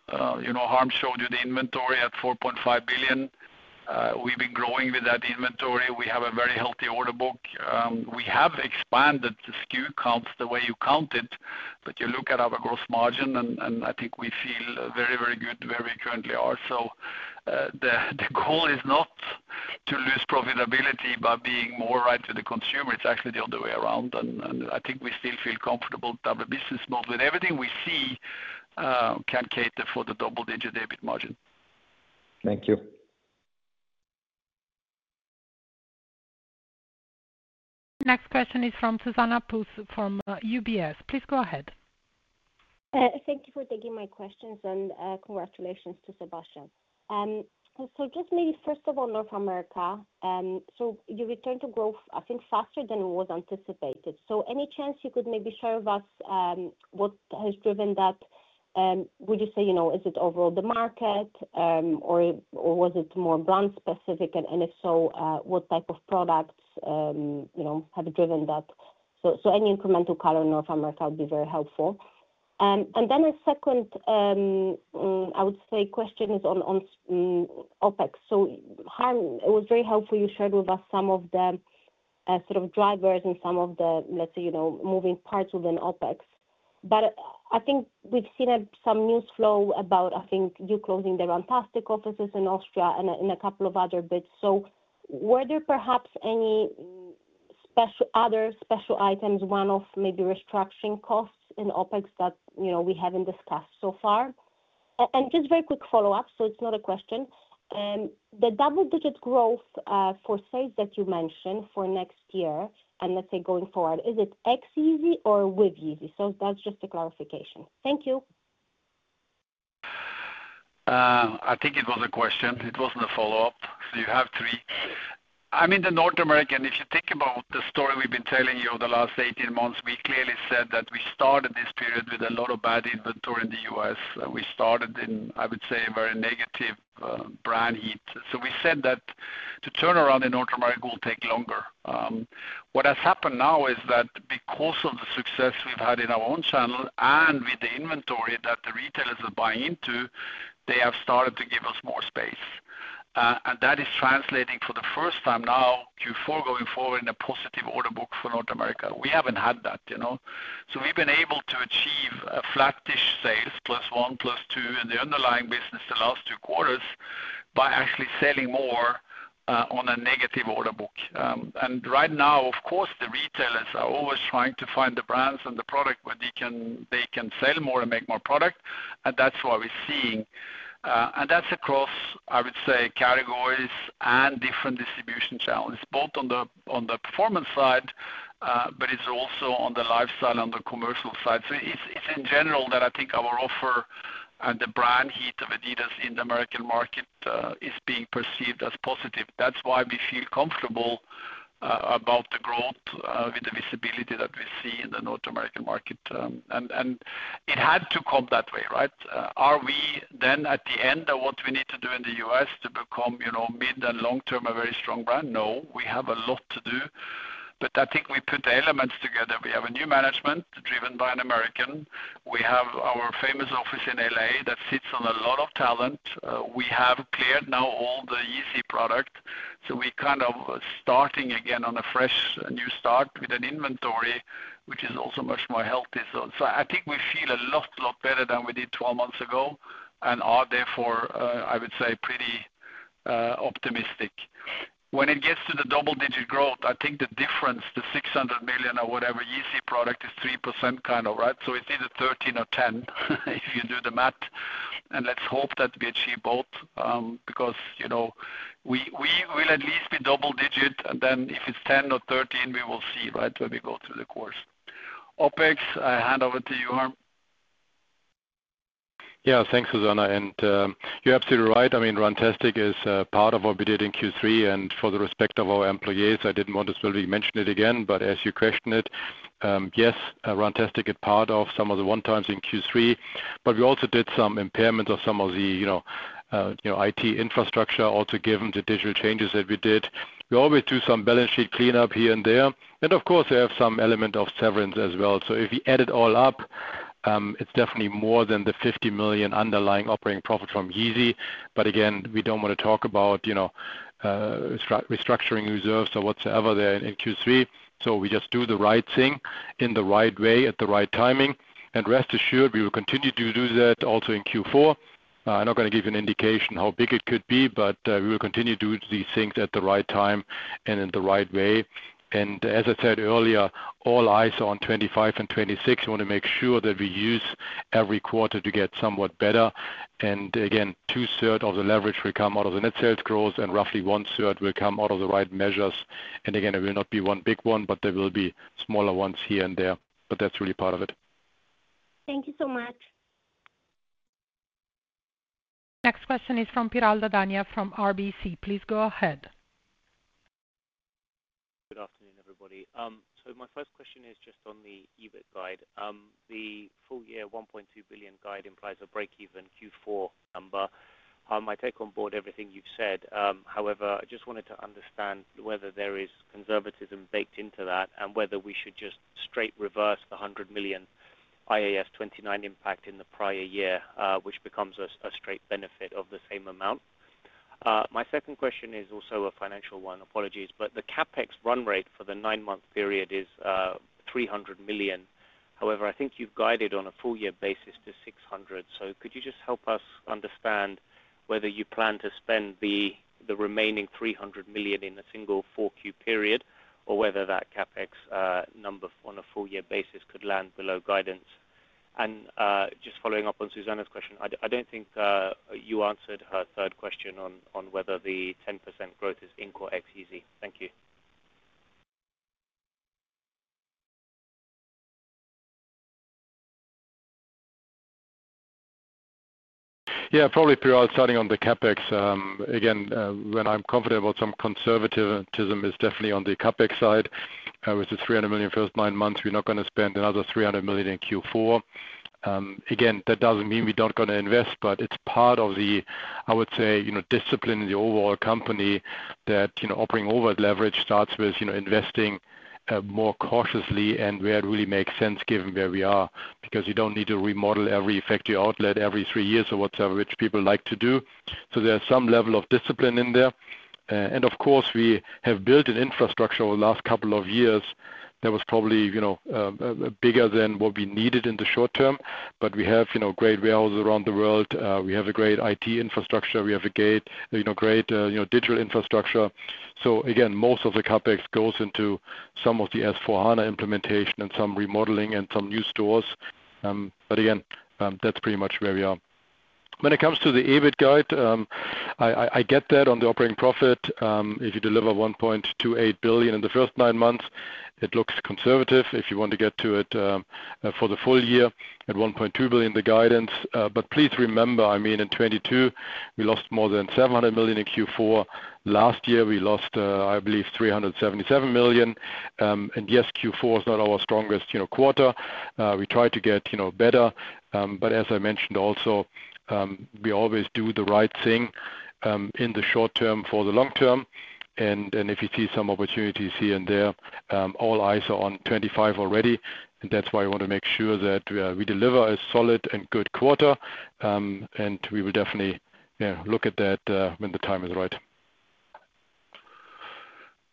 Harm showed you the inventory at €4.5 billion. We've been growing with that inventory. We have a very healthy order book. We have expanded the SKU counts the way you count it, but you look at our gross margin, and I think we feel very, very good where we currently are. So the goal is not to lose profitability by being more right to the consumer. It's actually the other way around. And I think we still feel comfortable with our business model. Everything we see can cater for the double-digit EBIT margin. Thank you. Next question is from Zuzanna Pusz from UBS. Please go ahead. Thank you for taking my questions and congratulations to Sebastian. So just maybe first of all, North America, so you returned to growth, I think, faster than it was anticipated. So any chance you could maybe share with us what has driven that? Would you say, is it overall the market, or was it more brand-specific? And if so, what type of products have driven that? So any incremental color in North America would be very helpful. And then a second, I would say, question is on OpEx. So Harm, it was very helpful you shared with us some of the sort of drivers and some of the, let's say, moving parts within OpEx. But I think we've seen some news flow about, I think, you closing the Runtastic offices in Austria and a couple of other bits. Were there perhaps any other special items, one of maybe restructuring costs in OpEx that we haven't discussed so far? And just very quick follow-up, so it's not a question. The double-digit growth for sales that you mentioned for next year and, let's say, going forward, is it Yeezy or without Yeezy? So that's just a clarification. Thank you. I think it was a question. It wasn't a follow-up. So you have three. I mean, the North American, if you think about the story we've been telling you over the last 18 months, we clearly said that we started this period with a lot of bad inventory in the US. We started in, I would say, a very negative brand heat. So we said that to turn around in North America, it will take longer. What has happened now is that because of the success we've had in our own channel and with the inventory that the retailers are buying into, they have started to give us more space, and that is translating for the first time now, Q4 going forward, in a positive order book for North America. We haven't had that, so we've been able to achieve a flattish sales +1, +2 in the underlying business the last two quarters by actually selling more on a negative order book, and right now, of course, the retailers are always trying to find the brands and the product where they can sell more and make more product, and that's what we're seeing, and that's across, I would say, categories and different distribution channels, both on the performance side, but it's also on the lifestyle, on the commercial side. It's in general that I think our offer and the brand heat of adidas in the American market is being perceived as positive. That's why we feel comfortable about the growth with the visibility that we see in the North American market. It had to come that way, right? Are we then at the end of what we need to do in the US to become mid and long-term a very strong brand? No, we have a lot to do. I think we put the elements together. We have a new management driven by an American. We have our famous office in LA that sits on a lot of talent. We have cleared now all the Yeezy product. We're kind of starting again on a fresh new start with an inventory, which is also much more healthy. I think we feel a lot, lot better than we did 12 months ago and are therefore, I would say, pretty optimistic. When it gets to the double-digit growth, I think the difference, the €600 million or whatever Yeezy product is 3% kind of, right? So it's either 13 or 10 if you do the math. And let's hope that we achieve both because we will at least be double-digit. And then if it's 10 or 13, we will see, right, when we go through the quarter. OpEx, I hand over to you, Harm. Yeah, thanks, Zuzanna. And you're absolutely right. I mean, Runtastic is part of what we did in Q3. And out of respect for our employees, I didn't want to mention it again, but as you question it, yes, Runtastic is part of some of the one-times in Q3. But we also did some impairments of some of the IT infrastructure, also given the digital changes that we did. We always do some balance sheet cleanup here and there. And of course, we have some element of severance as well. So if we add it all up, it's definitely more than the €50 million underlying operating profit from Yeezy. But again, we don't want to talk about restructuring reserves or whatsoever there in Q3. So we just do the right thing in the right way at the right timing. And rest assured, we will continue to do that also in Q4. I'm not going to give you an indication how big it could be, but we will continue to do these things at the right time and in the right way. And as I said earlier, all eyes are on 2025 and 2026. We want to make sure that we use every quarter to get somewhat better. And again, two-thirds of the leverage will come out of the net sales growth, and roughly one-third will come out of the right measures. And again, it will not be one big one, but there will be smaller ones here and there. But that's really part of it. Thank you so much. Next question is from Piral Dadhania from RBC. Please go ahead. Good afternoon, everybody. So my first question is just on the EBIT guide. The full-year 1.2 billion guide implies a break-even Q4 number. I take on board everything you've said. However, I just wanted to understand whether there is conservatism baked into that and whether we should just straight reverse the 100 million IAS 29 impact in the prior year, which becomes a straight benefit of the same amount. My second question is also a financial one. Apologies. But the CapEx run rate for the nine-month period is 300 million. However, I think you've guided on a full-year basis to 600 million. So could you just help us understand whether you plan to spend the remaining 300 million in a single Q4 period or whether that CapEx number on a full-year basis could land below guidance? And just following up on Zuzanna's question, I don't think you answered her third question on whether the 10% growth is ex Yeezy. Thank you. Yeah, probably Piral starting on the CapEx. Again, when I'm confident about some conservatism, it's definitely on the CapEx side. With the 300 million first nine months, we're not going to spend another 300 million in Q4. Again, that doesn't mean we're not going to invest, but it's part of the, I would say, discipline in the overall company that operating overhead leverage starts with investing more cautiously and where it really makes sense given where we are because you don't need to remodel every factory outlet every three years or whatever, which people like to do. So there's some level of discipline in there. And of course, we have built an infrastructure over the last couple of years that was probably bigger than what we needed in the short term, but we have great warehouses around the world. We have a great IT infrastructure. We have a great digital infrastructure. So again, most of the CapEx goes into some of the S/4HANA implementation and some remodeling and some new stores. But again, that's pretty much where we are. When it comes to the EBIT guide, I get that on the operating profit. If you deliver €1.28 billion in the first nine months, it looks conservative. If you want to get to it for the full year at €1.2 billion, the guidance. But please remember, I mean, in 2022, we lost more than €700 million in Q4. Last year, we lost, I believe, €377 million. And yes, Q4 is not our strongest quarter. We tried to get better. But as I mentioned also, we always do the right thing in the short term for the long term. And if you see some opportunities here and there, all eyes are on 2025 already. And that's why we want to make sure that we deliver a solid and good quarter. And we will definitely look at that when the time is right.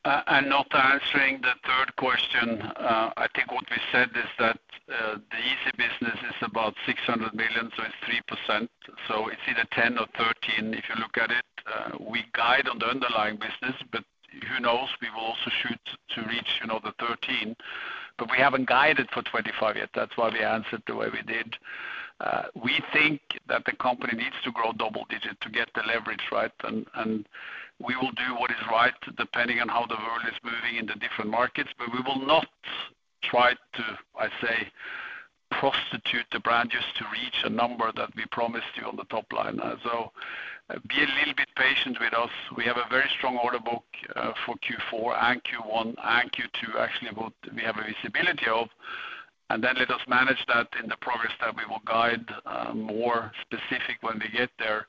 And, not answering the third question, I think what we said is that the Yeezy business is about €600 million, so it's 3%. So it's either 10% or 13% if you look at it. We guide on the underlying business, but who knows? We will also shoot to reach the 13%. But we haven't guided for 25% yet. That's why we answered the way we did. We think that the company needs to grow double-digit to get the leverage, right? And we will do what is right depending on how the world is moving in the different markets. But we will not try to, I say, prostitute the brand just to reach a number that we promised you on the top line. So be a little bit patient with us. We have a very strong order book for Q4 and Q1 and Q2. Actually, we have a visibility of. And then let us manage that in the progress that we will guide more specific when we get there.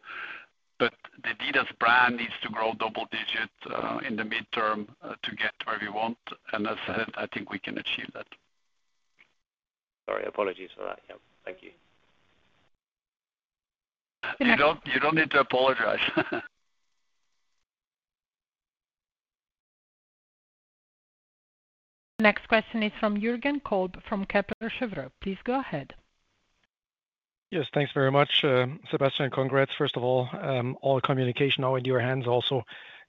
But the adidas brand needs to grow double-digit in the midterm to get where we want. And as I said, I think we can achieve that. Sorry, apologies for that. Yeah, thank you. You don't need to apologize. Next question is from Jürgen Kolb from Kepler Cheuvreux. Please go ahead. Yes, thanks very much, Sebastian. Congrats, first of all, all the communication now in your hands. Also,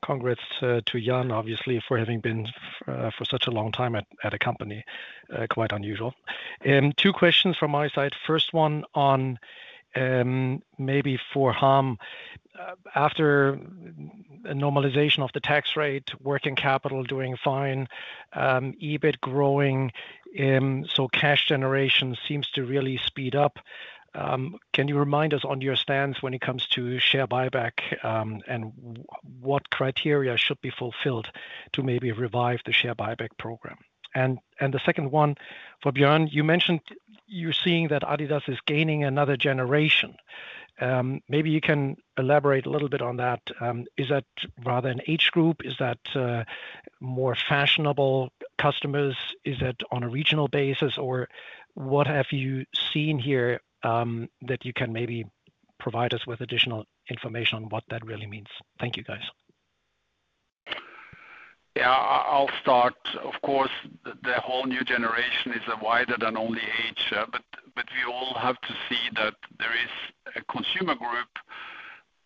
congrats to Jan, obviously, for having been for such a long time at a company. Quite unusual. Two questions from my side. First one on maybe for Harm. After normalization of the tax rate, working capital doing fine, EBIT growing, so cash generation seems to really speed up. Can you remind us on your stance when it comes to share buyback and what criteria should be fulfilled to maybe revive the share buyback program? And the second one for Bjørn, you mentioned you're seeing that adidas is gaining another generation. Maybe you can elaborate a little bit on that. Is that rather an age group? Is that more fashionable customers? Is it on a regional basis? Or what have you seen here that you can maybe provide us with additional information on what that really means? Thank you, guys. Yeah, I'll start. Of course, the whole new generation is wider than only age. But we all have to see that there is a consumer group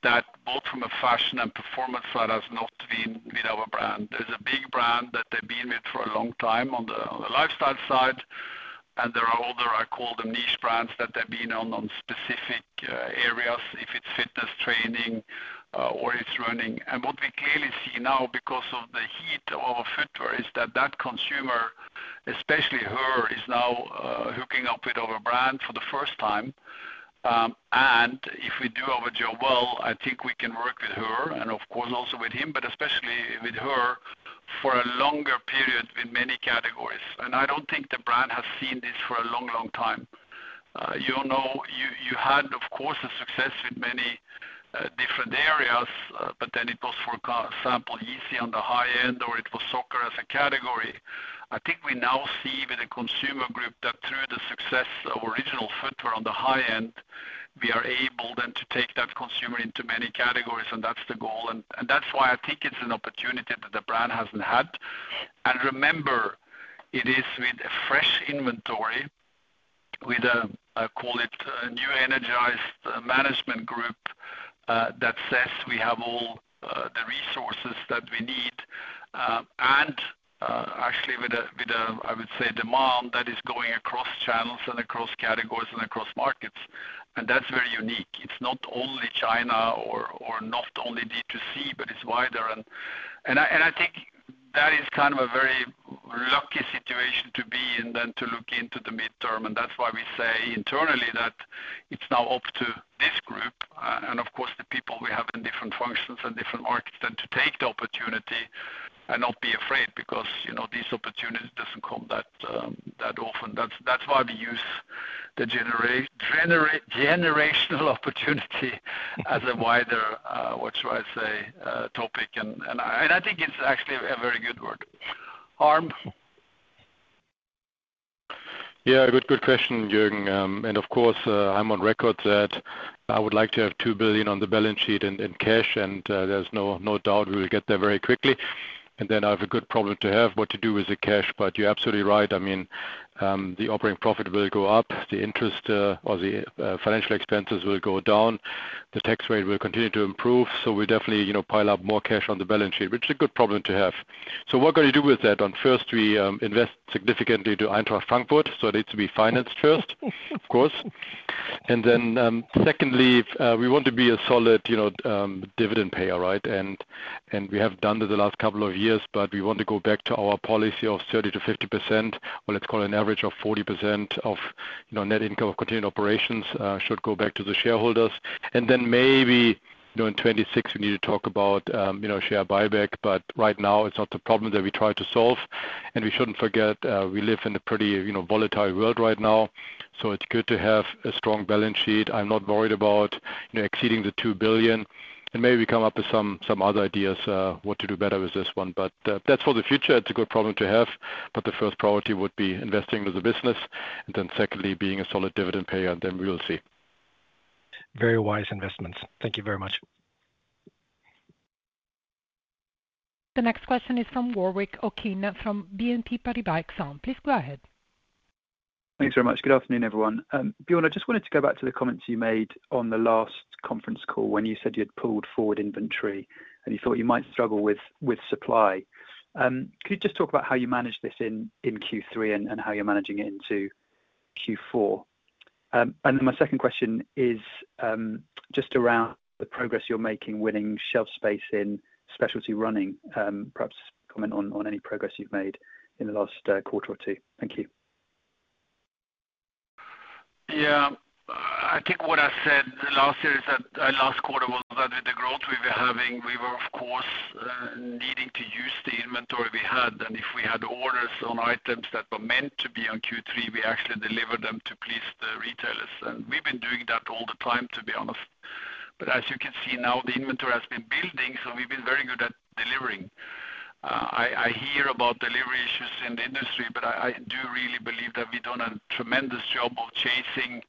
that, both from a fashion and performance side, has not been with our brand. There's a big brand that they've been with for a long time on the lifestyle side. There are other, I call them niche brands, that they've been on specific areas, if it's fitness training or it's running. What we clearly see now, because of the heat of our footwear, is that that consumer, especially her, is now hooking up with our brand for the first time. If we do our job well, I think we can work with her and, of course, also with him, but especially with her for a longer period with many categories. I don't think the brand has seen this for a long, long time. You had, of course, a success with many different areas, but then it was for example, Yeezy on the high end, or it was soccer as a category. I think we now see with the consumer group that through the success of original footwear on the high end, we are able then to take that consumer into many categories. And that's the goal. And that's why I think it's an opportunity that the brand hasn't had. And remember, it is with a fresh inventory, with a, I call it, new energized management group that says we have all the resources that we need. And actually, with a, I would say, demand that is going across channels and across categories and across markets. And that's very unique. It's not only China or not only D2C, but it's wider. And I think that is kind of a very lucky situation to be in then to look into the midterm. And that's why we say internally that it's now up to this group and, of course, the people we have in different functions and different markets then to take the opportunity and not be afraid because this opportunity doesn't come that often. That's why we use the generational opportunity as a wider, what shall I say, topic. And I think it's actually a very good word. Harm. Yeah, good question, Jürgen. And of course, I'm on record that I would like to have 2 billion on the balance sheet in cash. And there's no doubt we will get there very quickly. And then I have a good problem to have what to do with the cash. But you're absolutely right. I mean, the operating profit will go up. The interest or the financial expenses will go down. The tax rate will continue to improve. So we'll definitely pile up more cash on the balance sheet, which is a good problem to have. So what can we do with that? First, we invest significantly to Eintracht Frankfurt. So it needs to be financed first, of course. And then secondly, we want to be a solid dividend payer, right? And we have done this the last couple of years, but we want to go back to our policy of 30%-50%, or let's call it an average of 40% of net income of continued operations should go back to the shareholders. And then maybe in 2026, we need to talk about share buyback. But right now, it's not the problem that we try to solve. And we shouldn't forget, we live in a pretty volatile world right now. So it's good to have a strong balance sheet. I'm not worried about exceeding the €2 billion. And maybe we come up with some other ideas what to do better with this one. But that's for the future. It's a good problem to have. But the first priority would be investing with the business. And then secondly, being a solid dividend payer. And then we will see. Very wise investments. Thank you very much. The next question is from Warwick Okines from BNP Paribas Exane. Please go ahead. Thanks very much. Good afternoon, everyone. Bjørn, I just wanted to go back to the comments you made on the last Conference Call when you said you had pulled forward inventory and you thought you might struggle with supply. Could you just talk about how you managed this in Q3 and how you're managing it into Q4? Then my second question is just around the progress you're making winning shelf space in specialty running. Perhaps comment on any progress you've made in the last quarter or two. Thank you. Yeah, I think what I said last year is that with the growth we were having, we were, of course, needing to use the inventory we had. And if we had orders on items that were meant to be on Q3, we actually delivered them to please the retailers. And we've been doing that all the time, to be honest. But as you can see now, the inventory has been building, so we've been very good at delivering. I hear about delivery issues in the industry, but I do really believe that we've done a tremendous job of chasing,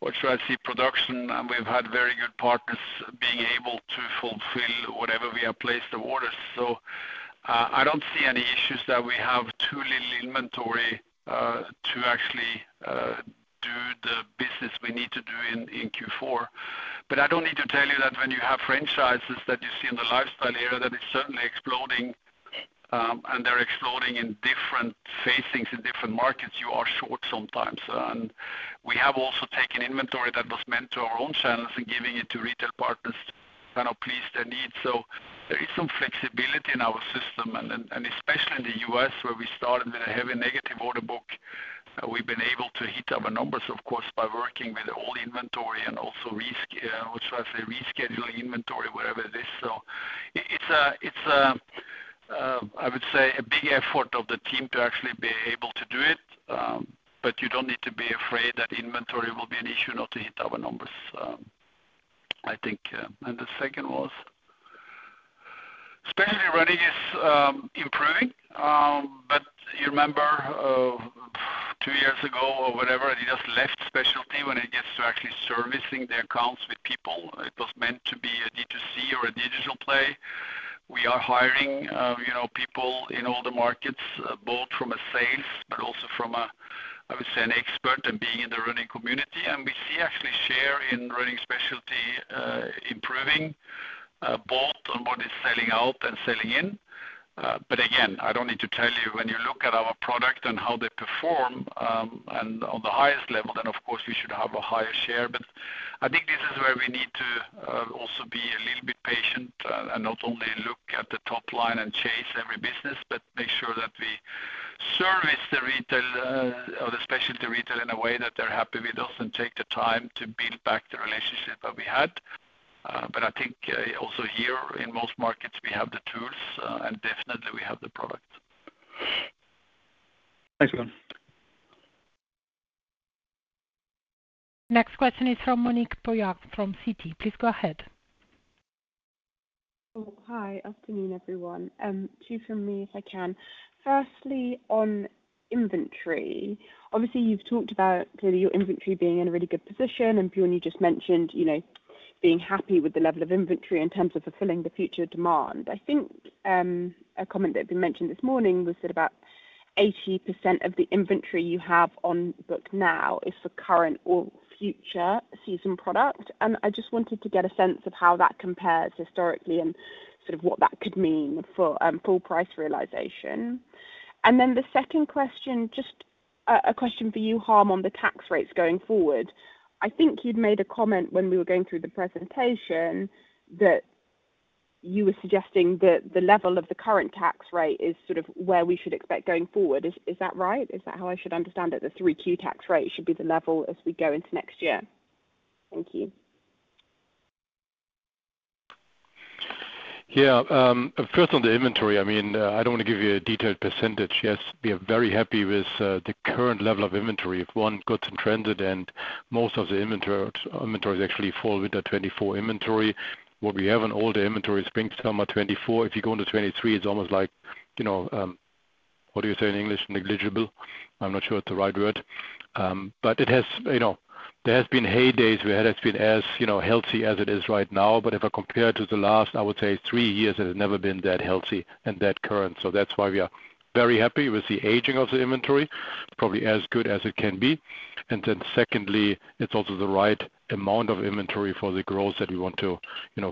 what shall I say, production. And we've had very good partners being able to fulfill whatever we have placed the orders. So I don't see any issues that we have too little inventory to actually do the business we need to do in Q4. But I don't need to tell you that when you have franchises that you see in the lifestyle area that is certainly exploding, and they're exploding in different facings in different markets, you are short sometimes. And we have also taken inventory that was meant to our own channels and giving it to retail partners to kind of please their needs. So there is some flexibility in our system. And especially in the U.S., where we started with a heavy negative order book, we've been able to hit our numbers, of course, by working with all the inventory and also what shall I say, rescheduling inventory, whatever it is. So it's, I would say, a big effort of the team to actually be able to do it. But you don't need to be afraid that inventory will be an issue not to hit our numbers, I think. And the second was, specialty running is improving. But you remember two years ago or whatever, adidas left specialty when it gets to actually servicing their accounts with people. It was meant to be a D2C or a digital play. We are hiring people in all the markets, both from a sales, but also from a, I would say, an expert and being in the running community. And we see actually share in running specialty improving, both on what is selling out and selling in. But again, I don't need to tell you when you look at our product and how they perform and on the highest level, then of course, we should have a higher share. But I think this is where we need to also be a little bit patient and not only look at the top line and chase every business, but make sure that we service the retail or the specialty retail in a way that they're happy with us and take the time to build back the relationship that we had. But I think also here in most markets, we have the tools and definitely we have the product. Thanks, Bjørn. Next question is from Monique Pollard from Citi. Please go ahead. Hi, afternoon, everyone. Two from me, if I can. Firstly, on inventory, obviously, you've talked about clearly your inventory being in a really good position. Bjørn, you just mentioned being happy with the level of inventory in terms of fulfilling the future demand. I think a comment that had been mentioned this morning was that about 80% of the inventory you have on book now is for current or future season product. I just wanted to get a sense of how that compares historically and sort of what that could mean for full price realization. Then the second question, just a question for you, Harm, on the tax rates going forward. I think you'd made a comment when we were going through the presentation that you were suggesting that the level of the current tax rate is sort of where we should expect going forward. Is that right? Is that how I should understand it? The 3Q tax rate should be the level as we go into next year. Thank you. Yeah, first on the inventory, I mean, I don't want to give you a detailed percentage. Yes, we are very happy with the current level of inventory. If you look at the trends at the end, most of the inventory is actually fall winter 2024 inventory. What we have in the inventory is spring summer 2024. If you go into 2023, it's almost like, what do you say in English? Negligible. I'm not sure it's the right word. But there has been heady days. We had as healthy as it is right now. But if I compare it to the last, I would say three years, it has never been that healthy and that current. So that's why we are very happy with the aging of the inventory, probably as good as it can be. And then secondly, it's also the right amount of inventory for the growth that we want to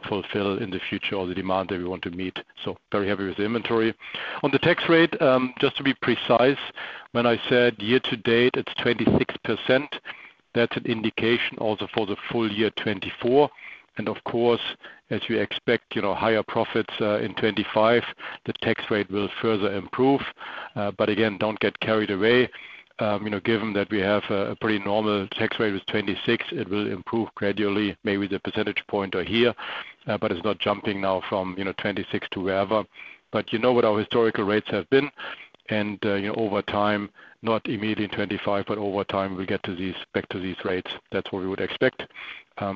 fulfill in the future or the demand that we want to meet. So very happy with the inventory. On the tax rate, just to be precise, when I said year to date, it's 26%. That's an indication also for the full year 2024. And of course, as you expect, higher profits in 2025, the tax rate will further improve. But again, don't get carried away. Given that we have a pretty normal tax rate with 26%, it will improve gradually, maybe one percentage point or so, but it's not jumping now from 26% to wherever. But you know what our historical rates have been. And over time, not immediately in 2025, but over time, we'll get back to these rates. That's what we would expect.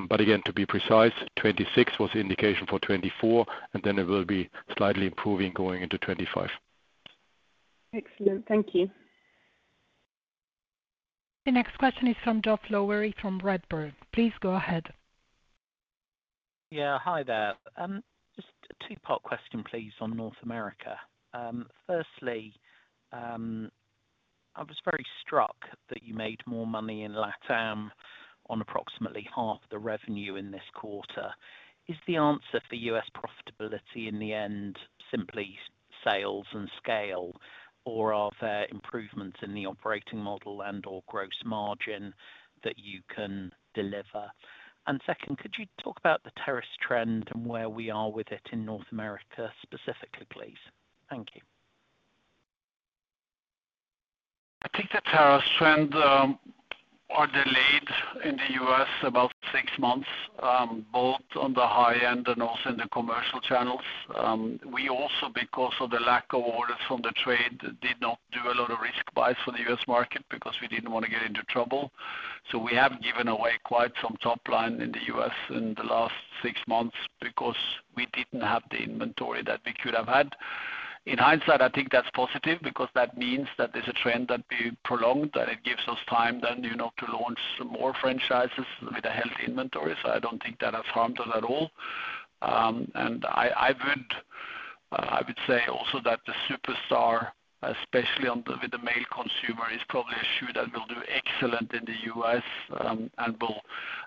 But again, to be precise, 2026 was the indication for 2024, and then it will be slightly improving going into 2025. Excellent. Thank you. The next question is from Geoff Lowery from Redburn Atlantic. Please go ahead. Yeah, hi there. Just a two-part question, please, on North America. Firstly, I was very struck that you made more money in LATAM on approximately half the revenue in this quarter. Is the answer for US profitability in the end simply sales and scale, or are there improvements in the operating model and/or gross margin that you can deliver? And second, could you talk about the tariff trends and where we are with it in North America specifically, please? Thank you. I think the tariff trends are delayed in the US about six months, both on the high end and also in the commercial channels. We also, because of the lack of orders from the trade, did not do a lot of risk buys for the U.S. market because we didn't want to get into trouble. So we have given away quite some top line in the U.S. in the last six months because we didn't have the inventory that we could have had. In hindsight, I think that's positive because that means that there's a trend that we prolonged and it gives us time then to launch some more franchises with a healthy inventory. So I don't think that has harmed us at all. I would say also that the Superstar, especially with the male consumer, is probably a shoe that will do excellent in the US and will,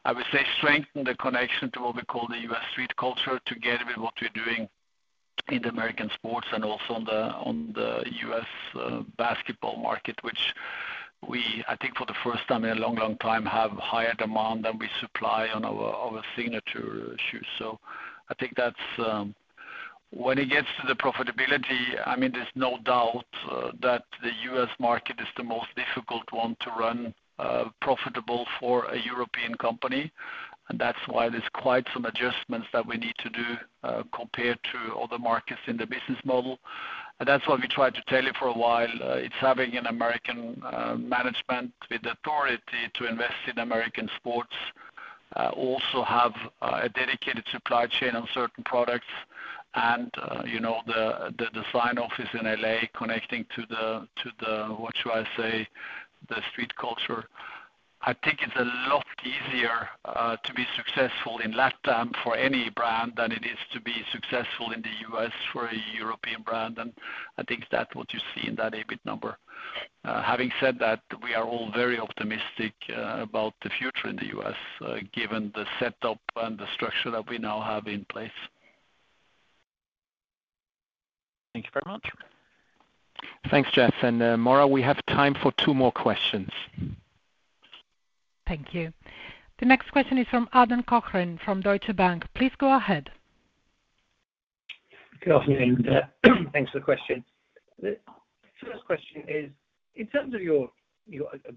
I would say, strengthen the connection to what we call the US street culture together with what we're doing in the American sports and also on the US basketball market, which we, I think for the first time in a long, long time, have higher demand than we supply on our signature shoes. So I think that's when it gets to the profitability. I mean, there's no doubt that the US market is the most difficult one to run profitable for a European company. That's why there's quite some adjustments that we need to do compared to other markets in the business model. That's why we tried to tell you for a while. It's having an American management with authority to invest in American sports, also have a dedicated supply chain on certain products, and the design office in LA connecting to the, what shall I say, the street culture. I think it's a lot easier to be successful in LATAM for any brand than it is to be successful in the US for a European brand. I think that's what you see in that EBIT number. Having said that, we are all very optimistic about the future in the US given the setup and the structure that we now have in place. Thank you very much. Thanks, Jeff. Maura, we have time for two more questions. Thank you. The next question is from Adam Cochrane from Deutsche Bank. Please go ahead. Good afternoon. Thanks for the question. The first question is, in terms of your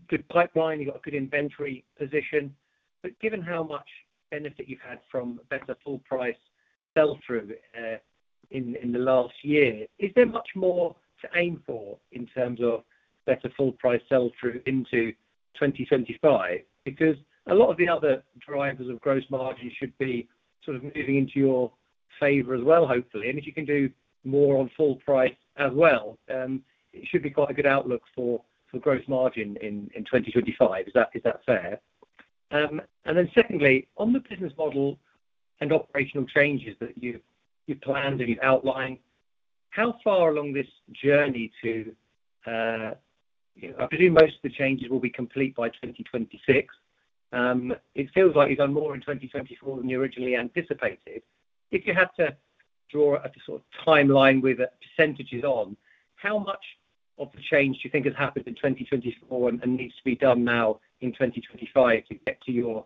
good pipeline, you've got a good inventory position. But given how much benefit you've had from better full price sell-through in the last year, is there much more to aim for in terms of better full price sell-through into 2025? Because a lot of the other drivers of gross margin should be sort of moving into your favor as well, hopefully. And if you can do more on full price as well, it should be quite a good outlook for gross margin in 2025. Is that fair? And then secondly, on the business model and operational changes that you've planned and you've outlined, how far along this journey to, I presume most of the changes will be complete by 2026, it feels like you've done more in 2024 than you originally anticipated. If you had to draw a sort of timeline with percentages on, how much of the change do you think has happened in 2024 and needs to be done now in 2025 to get to your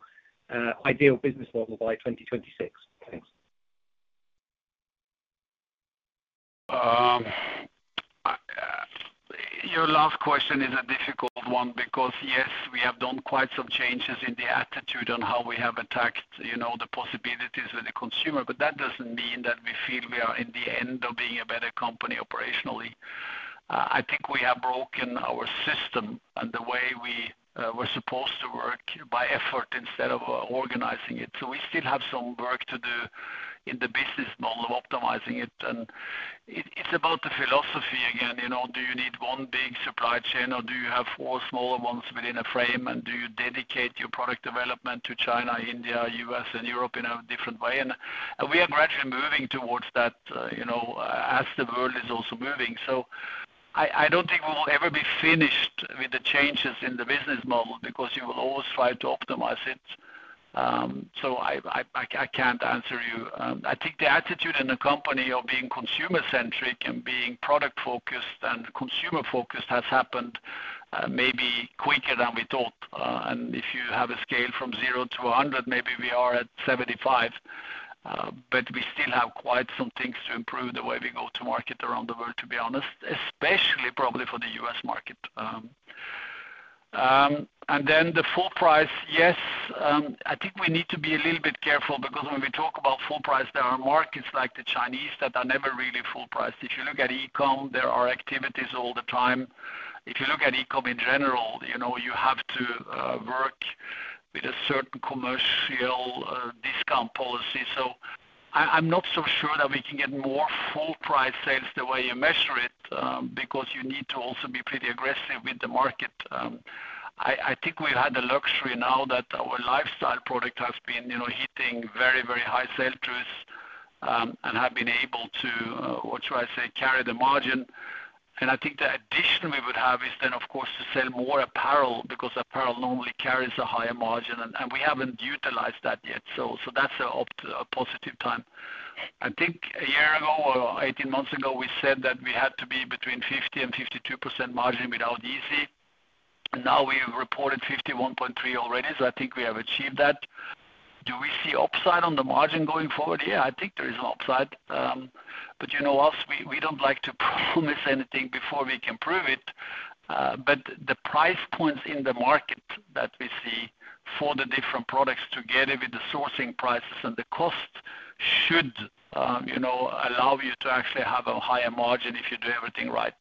ideal business model by 2026? Thanks. Your last question is a difficult one because, yes, we have done quite some changes in the attitude on how we have attacked the possibilities with the consumer. But that doesn't mean that we feel we are in the end of being a better company operationally. I think we have broken our system and the way we were supposed to work by effort instead of organizing it. So we still have some work to do in the business model of optimizing it. And it's about the philosophy again. Do you need one big supply chain, or do you have four smaller ones within a frame, and do you dedicate your product development to China, India, U.S., and Europe in a different way? And we are gradually moving towards that as the world is also moving. So I don't think we will ever be finished with the changes in the business model because you will always try to optimize it. So I can't answer you. I think the attitude in a company of being consumer-centric and being product-focused and consumer-focused has happened maybe quicker than we thought. And if you have a scale from 0 to 100, maybe we are at 75. But we still have quite some things to improve the way we go to market around the world, to be honest, especially probably for the U.S. market. And then the full price, yes. I think we need to be a little bit careful because when we talk about full price, there are markets like the Chinese that are never really full priced. If you look at e-comm, there are activities all the time. If you look at e-comm in general, you have to work with a certain commercial discount policy. So I'm not so sure that we can get more full price sales the way you measure it because you need to also be pretty aggressive with the market. I think we've had the luxury now that our lifestyle product has been hitting very, very high sell-throughs and have been able to, what shall I say, carry the margin. I think the addition we would have is then, of course, to sell more apparel because apparel normally carries a higher margin, and we haven't utilized that yet. That's a positive time. I think a year ago or 18 months ago, we said that we had to be between 50%-52% margin without Yeezy. Now we've reported 51.3% already, so I think we have achieved that. Do we see upside on the margin going forward? Yeah, I think there is an upside. But us, we don't like to promise anything before we can prove it. The price points in the market that we see for the different products together with the sourcing prices and the cost should allow you to actually have a higher margin if you do everything right.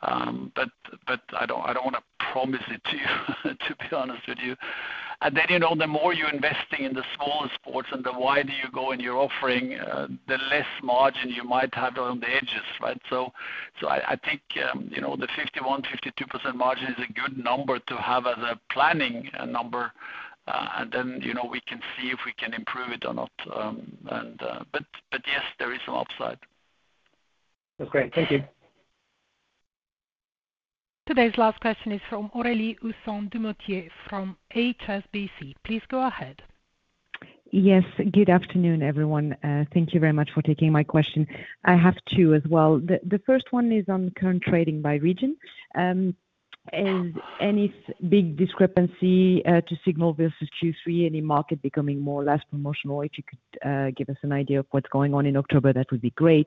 But I don't want to promise it to you, to be honest with you. And then the more you're investing in the smaller sports and the wider you go in your offering, the less margin you might have on the edges, right? So I think the 51%-52% margin is a good number to have as a planning number. And then we can see if we can improve it or not. But yes, there is some upside. That's great. Thank you. Today's last question is from Aurélie Husson-Dumoutier from HSBC. Please go ahead. Yes, good afternoon, everyone. Thank you very much for taking my question. I have two as well. The first one is on current trading by region. Is any big discrepancy to Signal versus Q3? Any market becoming more or less promotional? If you could give us an idea of what's going on in October, that would be great.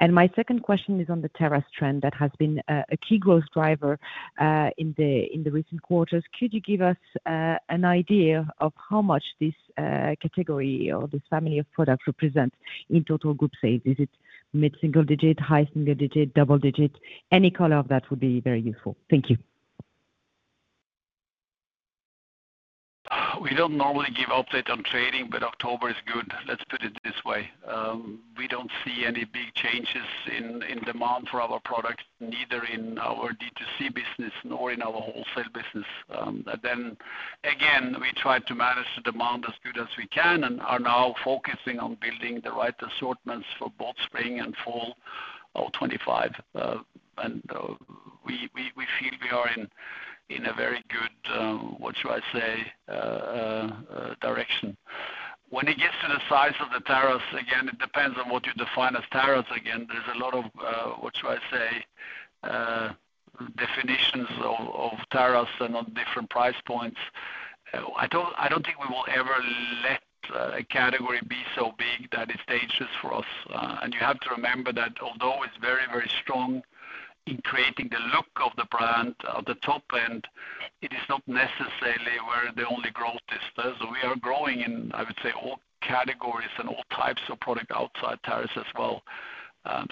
My second question is on the terrace trend that has been a key growth driver in the recent quarters. Could you give us an idea of how much this category or this family of products represents in total group sales? Is it mid-single digit, high single digit, double digit? Any color of that would be very useful. Thank you. We don't normally give updates on trading, but October is good. Let's put it this way. We don't see any big changes in demand for our products, neither in our D2C business nor in our wholesale business. Then again, we tried to manage the demand as good as we can and are now focusing on building the right assortments for both spring and fall 2025. We feel we are in a very good, what shall I say, direction. When it gets to the size of the terrace, again, it depends on what you define as terrace. Again, there's a lot of, what shall I say, definitions of terrace and on different price points. I don't think we will ever let a category be so big that it's dangerous for us. And you have to remember that although it's very, very strong in creating the look of the brand at the top end, it is not necessarily where the only growth is. So we are growing in, I would say, all categories and all types of product outside terrace as well.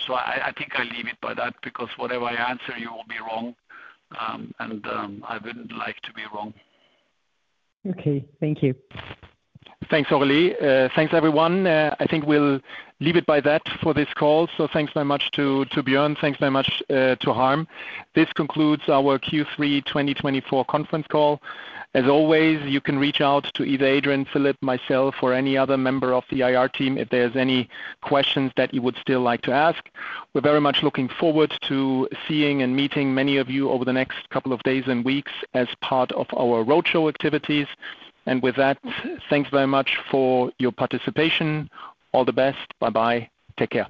So I think I leave it by that because whatever I answer, you will be wrong. And I wouldn't like to be wrong. Okay. Thank you. Thanks, Aurélie. Thanks, everyone. I think we'll leave it by that for this call. So thanks very much to Bjørn. Thanks very much to Harm. This concludes our Q3 2024 Conference Call. As always, you can reach out to either Adrian, Philip, myself, or any other member of the IR team if there's any questions that you would still like to ask. We're very much looking forward to seeing and meeting many of you over the next couple of days and weeks as part of our roadshow activities. And with that, thanks very much for your participation. All the best. Bye-bye. Take care.